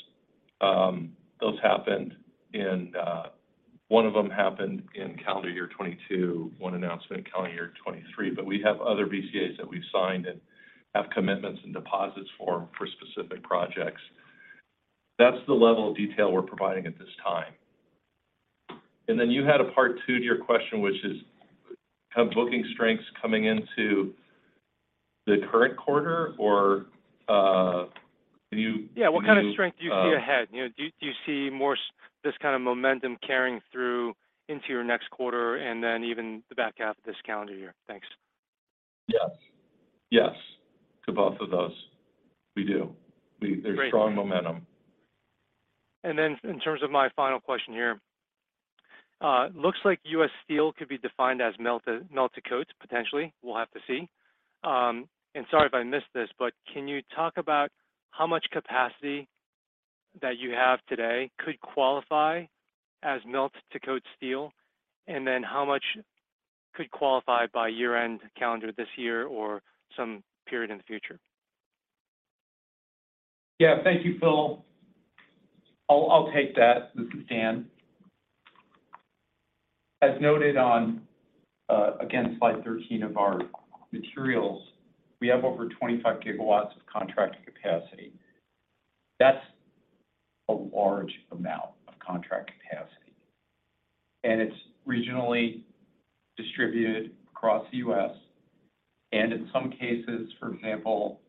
[SPEAKER 4] happened in. One of them happened in calendar year 2022, one announcement calendar year 2023. We have other VCAs that we've signed and have commitments and deposits for specific projects. That's the level of detail we're providing at this time. You had a part 2 to your question, which is, kind of booking strengths coming into the current quarter? Or,
[SPEAKER 12] What kind of strength do you see ahead? do you see more this kind of momentum carrying through into your next quarter and then even the back half of this calendar year? Thanks.
[SPEAKER 4] Yes. Yes, to both of those. We do.
[SPEAKER 12] Great.
[SPEAKER 4] There's strong momentum.
[SPEAKER 12] In terms of my final question here, looks like US Steel could be defined as melt-to-coat, potentially, we'll have to see. Sorry if I missed this, but can you talk about how much capacity that you have today could qualify as melt to coat steel? Then how much could qualify by year-end calendar this year or some period in the future?
[SPEAKER 3] Thank you, Philip Shen. I'll take that. This is Daniel Shugar. As noted on, again, slide 13 of our materials, we have over 25 gigawatts of contracted capacity. That's a large amount of contract capacity, it's regionally distributed across the U.S. In some cases, for example,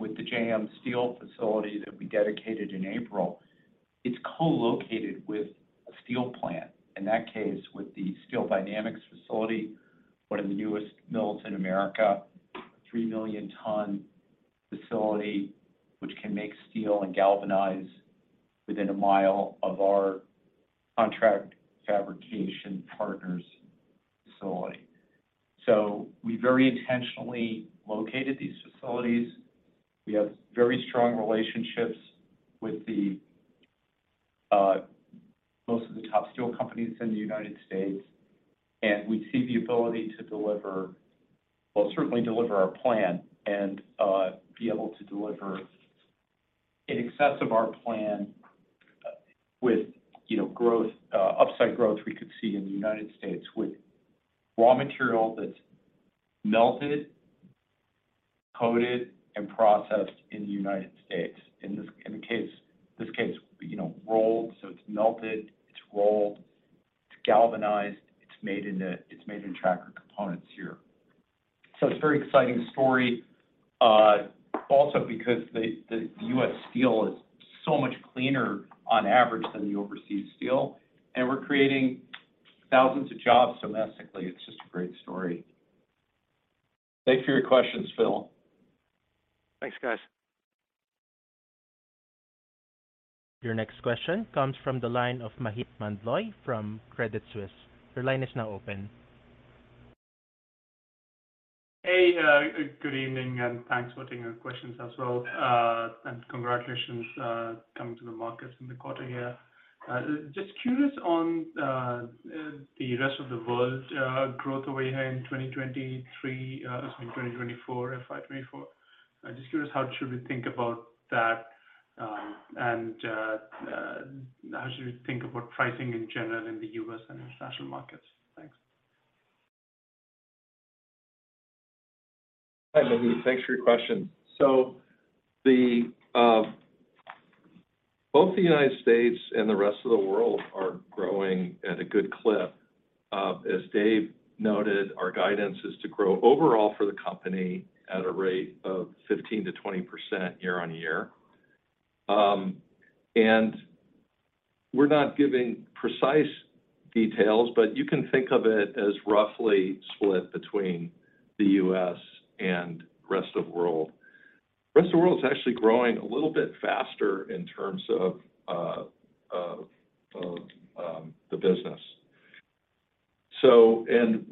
[SPEAKER 3] with the JM Steel facility that we dedicated in April, it's co-located with a steel plant. In that case, with the Steel Dynamics facility, one of the newest mills in America, 3 million ton facility, which can make steel and galvanize within 1 mile of our contract fabrication partner's facility. We very intentionally located these facilities. We have very strong relationships with the most of the top steel companies in the United States, we see the ability to certainly deliver our plan and be able to deliver in excess of our plan with, growth, upside growth we could see in the United States with raw material that's melted, coated, and processed in the United States. In this case, rolled, it's melted, it's rolled, it's galvanized, it's made into tracker components here. It's a very exciting story also because the US steel is so much cleaner on average than the overseas steel, we're creating thousands of jobs domestically. It's just a great story. Thanks for your questions, Phil.
[SPEAKER 12] Thanks, guys.
[SPEAKER 1] Your next question comes from the line of Maheep Mandloi from Credit Suisse. Your line is now open.
[SPEAKER 13] Hey, good evening, and thanks for taking our questions as well. Congratulations, coming to the markets in the quarter here. Just curious on the rest of the world growth over here in 2023, excuse me, 2024, FY 2024. I'm just curious, how should we think about that, and how should we think about pricing in general in the U.S. and international markets? Thanks.
[SPEAKER 5] Hi, Maheep. Thanks for your question. Both the United States and the rest of the world are growing at a good clip. As Dave noted, our guidance is to grow overall for the company at a rate of 15%-20% year on year. We're not giving precise details, but you can think of it as roughly split between the U.S. and rest of world. Rest of world is actually growing a little bit faster in terms of the business.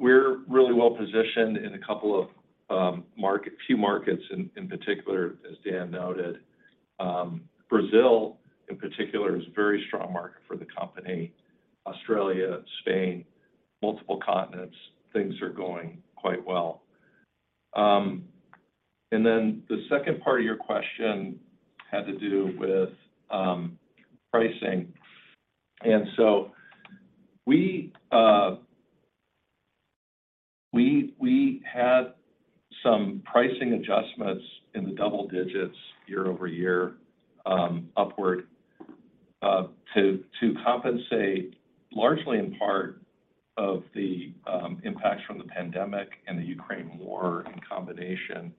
[SPEAKER 5] We're really well-positioned in a couple of few markets in particular, as Dan noted. Brazil, in particular, is a very strong market for the company. Australia, Spain, multiple continents, things are going quite well. The second part of your question had to do with pricing. We had some pricing adjustments in the double-digits year-over-year, upward, to compensate largely in part of the impacts from the pandemic and the Ukraine War in combination.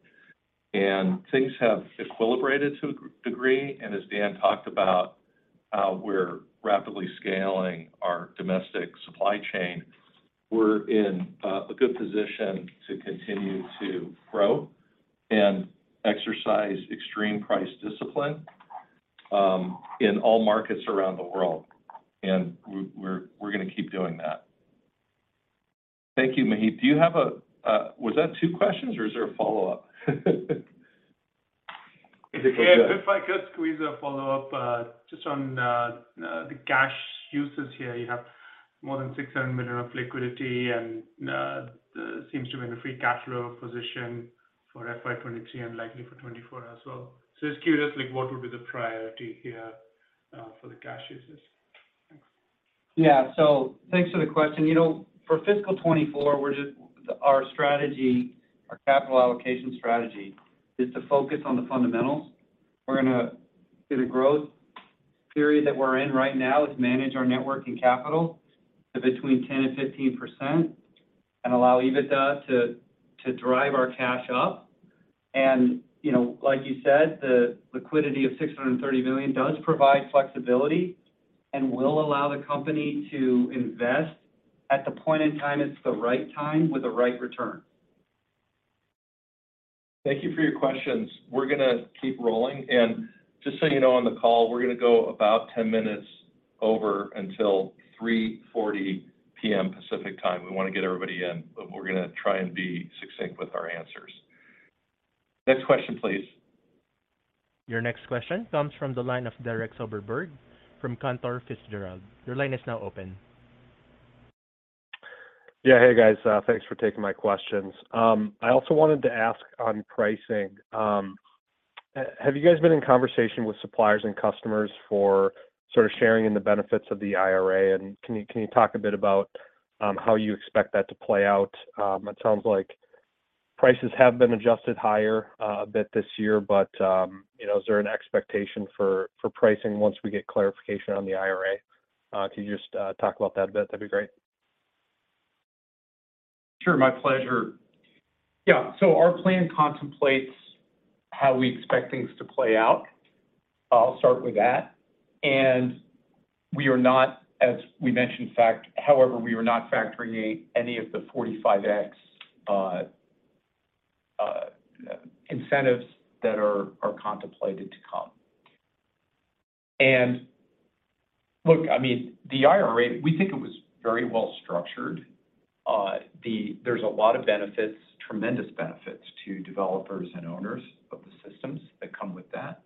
[SPEAKER 5] Things have equilibrated to a degree. As Dan talked about, we're rapidly scaling our domestic supply chain. We're in a good position to continue to grow and exercise extreme price discipline in all markets around the world. We're gonna keep doing that. Thank you, Maheep. Do you have a, was that two questions or is there a follow-up? Is it good?
[SPEAKER 13] If I could squeeze a follow-up, just on the cash uses here. You have more than $600 million of liquidity and seems to be in a free cash flow position for FY 2023 and likely for 2024 as well. Just curious, like what would be the priority here for the cash uses? Thanks.
[SPEAKER 3] Thanks for the question. for fiscal 2024, we're our strategy, our capital allocation strategy is to focus on the fundamentals. We're gonna do the growth period that we're in right now is manage our network and capital to between 10% and 15% and allow EBITDA to drive our cash up. like you said, the liquidity of $630 million does provide flexibility and will allow the company to invest at the point in time it's the right time with the right return.
[SPEAKER 4] Thank you for your questions. We're going to keep rolling. Just so you know on the call, we're going to go about 10 minutes over until 3:40 P.M. Pacific Time. We want to get everybody in, but we're going to try and be succinct with our answers. Next question, please.
[SPEAKER 1] Your next question comes from the line of Derek Soderberg from Cantor Fitzgerald. Your line is now open.
[SPEAKER 14] Hey, guys. Thanks for taking my questions. I also wanted to ask on pricing. Have you guys been in conversation with suppliers and customers for sort of sharing in the benefits of the IRA? Can you talk a bit about how you expect that to play out? It sounds like prices have been adjusted higher a bit this year, but, is there an expectation for pricing once we get clarification on the IRA? Can you just talk about that a bit? That'd be great.
[SPEAKER 3] Sure. My pleasure. Our plan contemplates how we expect things to play out. I'll start with that. We are not, as we mentioned, however, we are not factoring any of the 45X incentives that are contemplated to come. Look, I mean, the IRA, we think it was very well structured. There's a lot of benefits, tremendous benefits to developers and owners of the systems that come with that.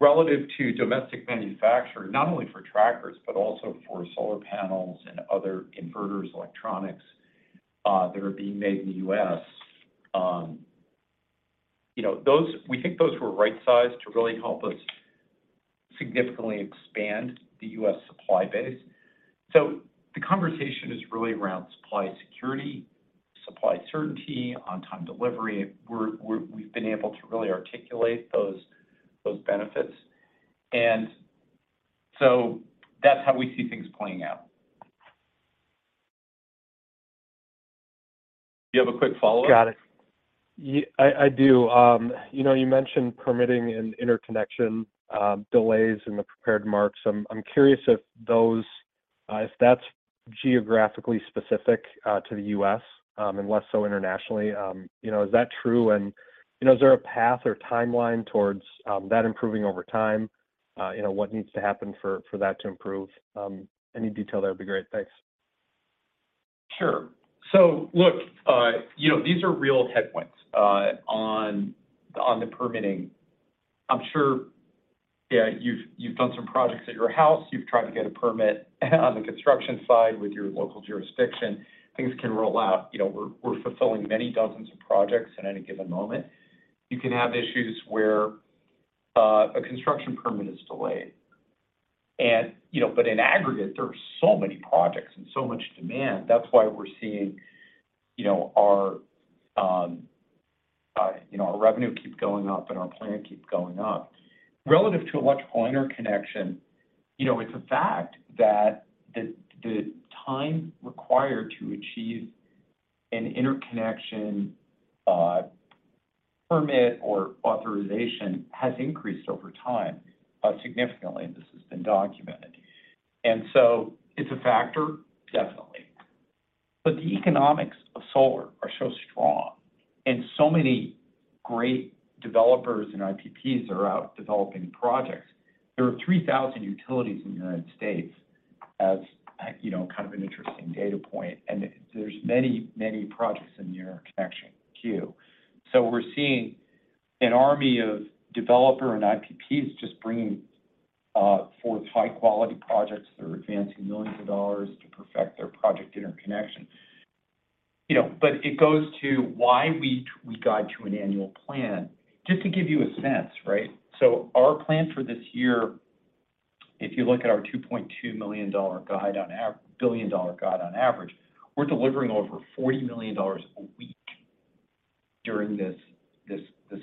[SPEAKER 3] Relative to domestic manufacturers, not only for trackers, but also for solar panels and other inverters, electronics that are being made in the U.S., we think those were right sized to really help us significantly expand the U.S. supply base. The conversation is really around supply security, supply certainty, on-time delivery. We've been able to really articulate those benefits. That's how we see things playing out. You have a quick follow-up?
[SPEAKER 14] Got it. I do. you mentioned permitting and interconnection delays in the prepared remarks. I'm curious if those, if that's geographically specific to the U.S., and less so internationally. is that true? is there a path or timeline towards that improving over time? what needs to happen for that to improve? Any detail there would be great. Thanks.
[SPEAKER 3] Sure. Look, these are real headwinds on the permitting. I'm sure, yeah, you've done some projects at your house. You've tried to get a permit on the construction side with your local jurisdiction. Things can roll out. we're fulfilling many dozens of projects at any given moment. You can have issues where a construction permit is delayed. In aggregate, there are so many projects and so much demand. That's why we're seeing, our, our revenue keep going up and our plan keep going up. Relative to electrical interconnection, it's a fact that the time required to achieve an interconnection, permit or authorization has increased over time, significantly, and this has been documented. It's a factor, definitely. The economics of solar are so strong, and so many great developers and IPPs are out developing projects. There are 3,000 utilities in the United States, as, kind of an interesting data point, and there's many projects in the interconnection queue. We're seeing an army of developer and IPPs just bringing forth high-quality projects that are advancing millions of dollars to perfect their project interconnection. It goes to why we guide to an annual plan. Just to give you a sense, right? Our plan for this year, if you look at our $2.2 billion guide on average, we're delivering over $40 million a week during this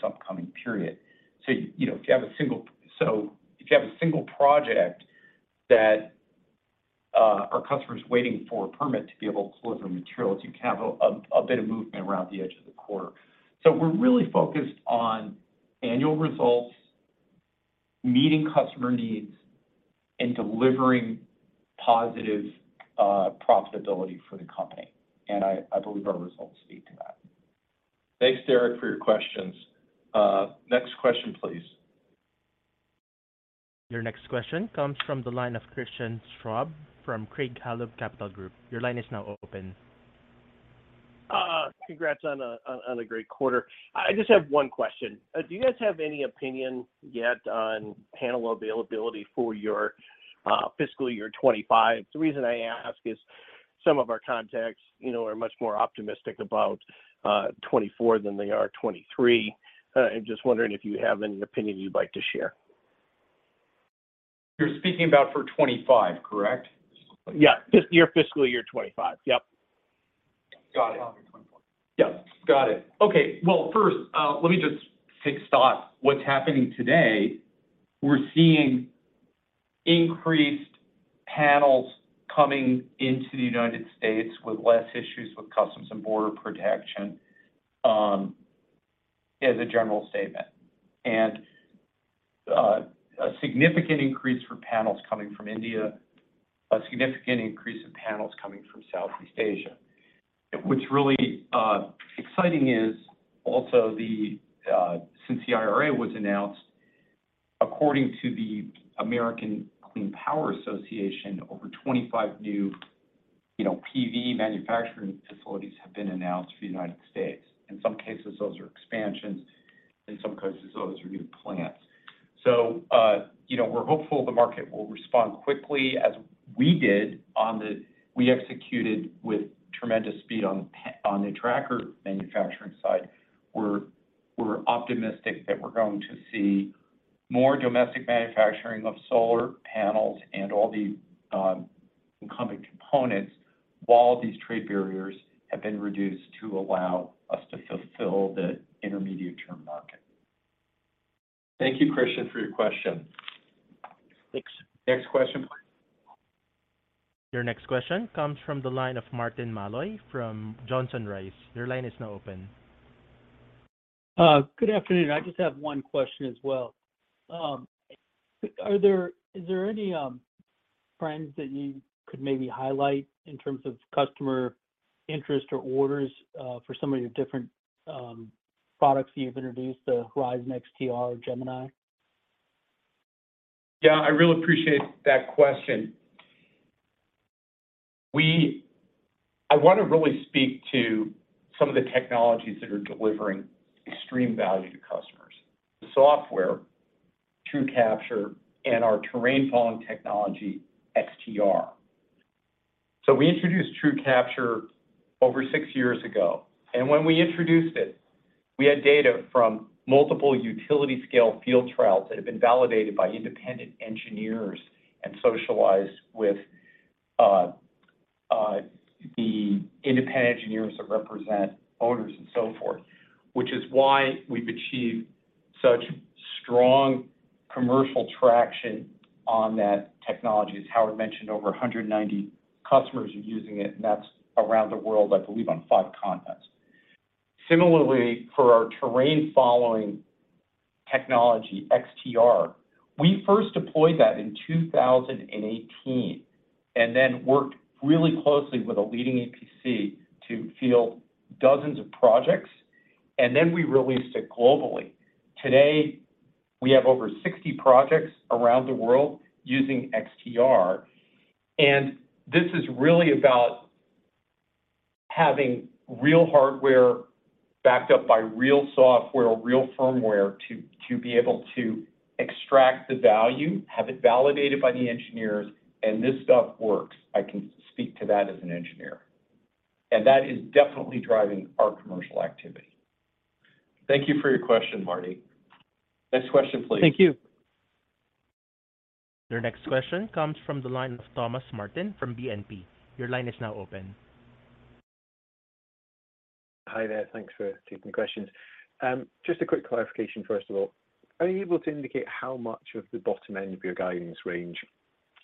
[SPEAKER 3] upcoming period. if you have a single project that our customer's waiting for a permit to be able to deliver materials, you can have a bit of movement around the edge of the quarter. We're really focused on annual results, meeting customer needs, and delivering positive profitability for the company, and I believe our results speak to that. Thanks, Derek, for your questions. Next question, please.
[SPEAKER 1] Your next question comes from the line of Christian Schwab from Craig-Hallum Capital Group. Your line is now open.
[SPEAKER 15] Congrats on a great quarter. I just have one question. Do you guys have any opinion yet on panel availability for your fiscal year 2025? The reason I ask is some of our contacts, are much more optimistic about 2024 than they are 2023. I'm just wondering if you have any opinion you'd like to share?
[SPEAKER 3] You're speaking about for 2025, correct?
[SPEAKER 15] Your fiscal year 2025. Yep.
[SPEAKER 3] Got it. Got it. Okay. Well, first, let me just kick start what's happening today. We're seeing increased panels coming into the United States with less issues with Customs and Border Protection, as a general statement. A significant increase for panels coming from India, a significant increase in panels coming from Southeast Asia. What's really exciting is also the, since the IRA was announced, according to the American Clean Power Association, over 25 new, PV manufacturing facilities have been announced for the United States. In some cases, those are expansions. In some cases, those are new plants. We're hopeful the market will respond quickly as we did on the. We executed with tremendous speed on the tracker manufacturing side. We're optimistic that we're going to see more domestic manufacturing of solar panels and all the incumbent components while these trade barriers have been reduced to allow us to fulfill the intermediate-term market. Thank you, Christian, for your question.
[SPEAKER 15] Thanks.
[SPEAKER 3] Next question, please.
[SPEAKER 1] Your next question comes from the line of Martin Malloy from Johnson Rice. Your line is now open.
[SPEAKER 16] Good afternoon. I just have one question as well. Is there any trends that you could maybe highlight in terms of customer interest or orders for some of your different products you've introduced, the NX Horizon-XTR or NX Gemini?
[SPEAKER 3] I really appreciate that question. I want to really speak to some of the technologies that are delivering extreme value to customers. The software, TrueCapture, and our terrain following technology, XTR. We introduced TrueCapture over six years ago, and when we introduced it, we had data from multiple utility scale field trials that have been validated by independent engineers and socialized with the independent engineers that represent owners and so forth, which is why we've achieved such strong commercial traction on that technology. As Howard mentioned, over 190 customers are using it, and that's around the world, I believe, on five continents. Similarly, for our terrain following technology, XTR, we first deployed that in 2018, and then worked really closely with a leading EPC to field dozens of projects, and then we released it globally. Today, we have over 60 projects around the world using XTR. This is really about having real hardware backed up by real software, real firmware to be able to extract the value, have it validated by the engineers, and this stuff works. I can speak to that as an engineer. That is definitely driving our commercial activity. Thank you for your question, Marty. Next question, please.
[SPEAKER 16] Thank you.
[SPEAKER 1] Your next question comes from the line of Thomas Martin from BNP. Your line is now open.
[SPEAKER 17] Hi there. Thanks for taking the questions. Just a quick clarification, first of all. Are you able to indicate how much of the bottom end of your guidance range,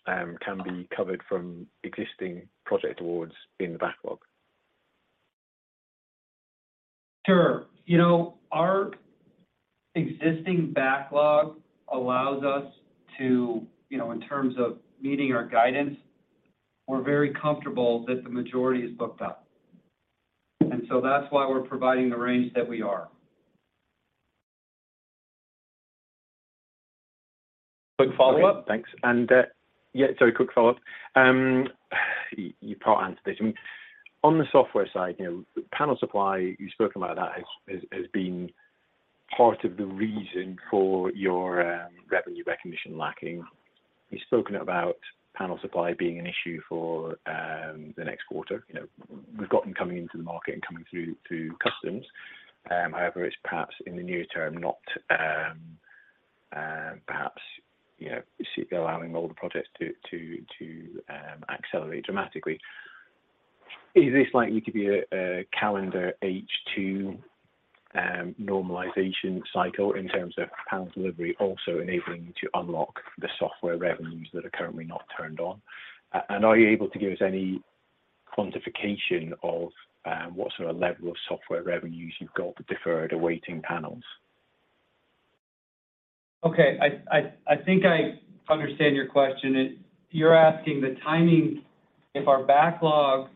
[SPEAKER 17] can be covered from existing project awards in the backlog?
[SPEAKER 3] Sure. our existing backlog allows us to, in terms of meeting our guidance, we're very comfortable that the majority is booked up. That's why we're providing the range that we are.
[SPEAKER 17] Quick follow-up. Thanks. Quick follow-up. You part answered it. I mean, on the software side, panel supply, you've spoken about that as being part of the reason for your revenue recognition lacking. You've spoken about panel supply being an issue for the next quarter. we've got them coming into the market and coming through to Customs. However, it's perhaps in the near term, not, perhaps, allowing all the projects to accelerate dramatically. Is this likely to be a calendar H2 normalization cycle in terms of panel delivery also enabling you to unlock the software revenues that are currently not turned on? Are you able to give us any quantification of what sort of level of software revenues you've got deferred awaiting panels?
[SPEAKER 3] Okay. I think I understand your question. You're asking the timing, if our backlog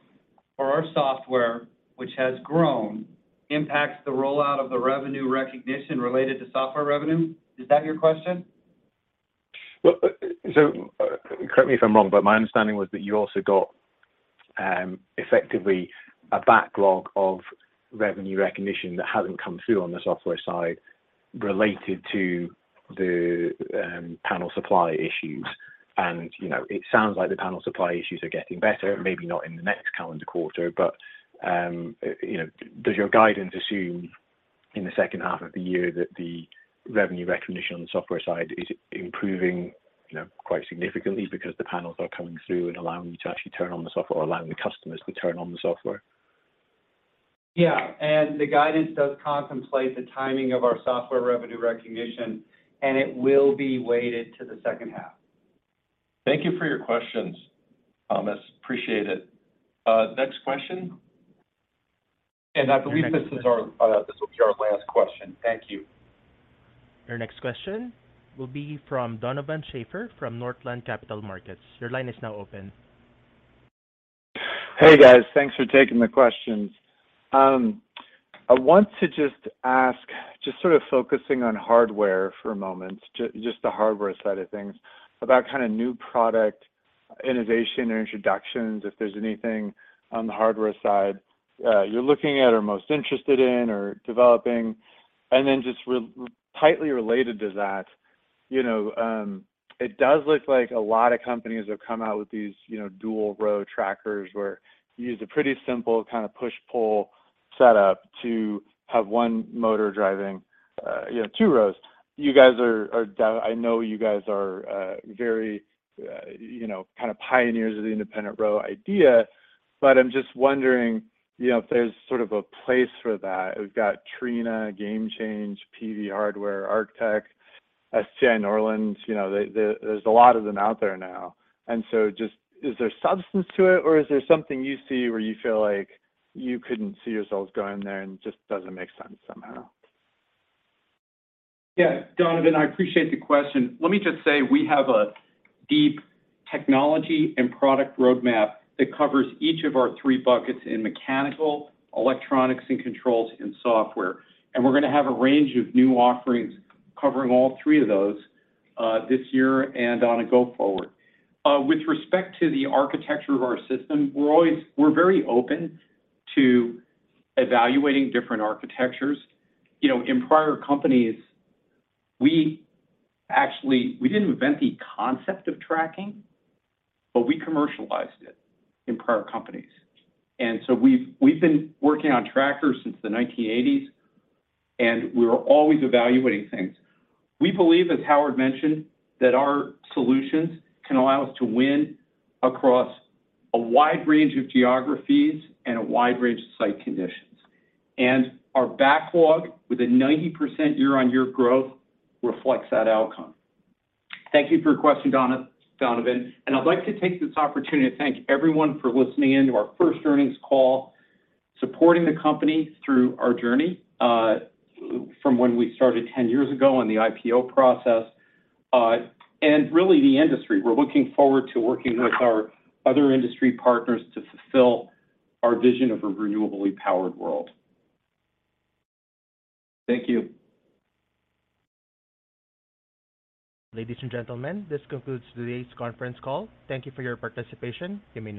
[SPEAKER 3] for our software, which has grown, impacts the rollout of the revenue recognition related to software revenue. Is that your question?
[SPEAKER 17] Correct me if I'm wrong, but my understanding was that you also got effectively a backlog of revenue recognition that hasn't come through on the software side related to the panel supply issues. it sounds like the panel supply issues are getting better, maybe not in the next calendar quarter, but does your guidance assume in the second half of the year that the revenue recognition on the software side is improving, quite significantly because the panels are coming through and allowing you to actually turn on the software or allowing the customers to turn on the software.
[SPEAKER 3] The guidance does contemplate the timing of our software revenue recognition, and it will be weighted to the second half. Thank you for your questions, Thomas. Appreciate it. Next question. I believe this is our, this will be our last question. Thank you.
[SPEAKER 1] Your next question will be from Donovan Schafer from Northland Capital Markets. Your line is now open.
[SPEAKER 18] Hey, guys. Thanks for taking the questions. I want to just ask, just sort of focusing on hardware for a moment, just the hardware side of things, about kinda new product innovation or introductions, if there's anything on the hardware side, you're looking at or most interested in or developing. Just tightly related to that, it does look like a lot of companies have come out with these, dual row trackers where you use a pretty simple kinda push-pull setup to have one motor driving, two rows. You guys are, I know you guys are, very, kind of pioneers of the independent row idea, but I'm just wondering, if there's sort of a place for that. We've got Trina, GameChange, PV Hardware, Arctech, SGI, Norland. There's a lot of them out there now. Just is there substance to it, or is there something you see where you feel like you couldn't see yourselves going there and just doesn't make sense somehow?
[SPEAKER 3] Donovan, I appreciate the question. Let me just say we have a deep technology and product roadmap that covers each of our three buckets in mechanical, electronics and controls, and software. We're gonna have a range of new offerings covering all three of those this year and on a go forward. With respect to the architecture of our system, we're always, we're very open to evaluating different architectures. in prior companies, we actually, we didn't invent the concept of tracking, but we commercialized it in prior companies. So we've been working on trackers since the 1980s, and we're always evaluating things. We believe, as Howard mentioned, that our solutions can allow us to win across a wide range of geographies and a wide range of site conditions. Our backlog with a 90% year-on-year growth reflects that outcome. Thank you for your question, Donovan. I'd like to take this opportunity to thank everyone for listening in to our first earnings call, supporting the company through our journey from when we started 10 years ago on the IPO process and really the industry. We're looking forward to working with our other industry partners to fulfill our vision of a renewably powered world. Thank you.
[SPEAKER 1] Ladies and gentlemen, this concludes today's conference call. Thank you for your participation. You may-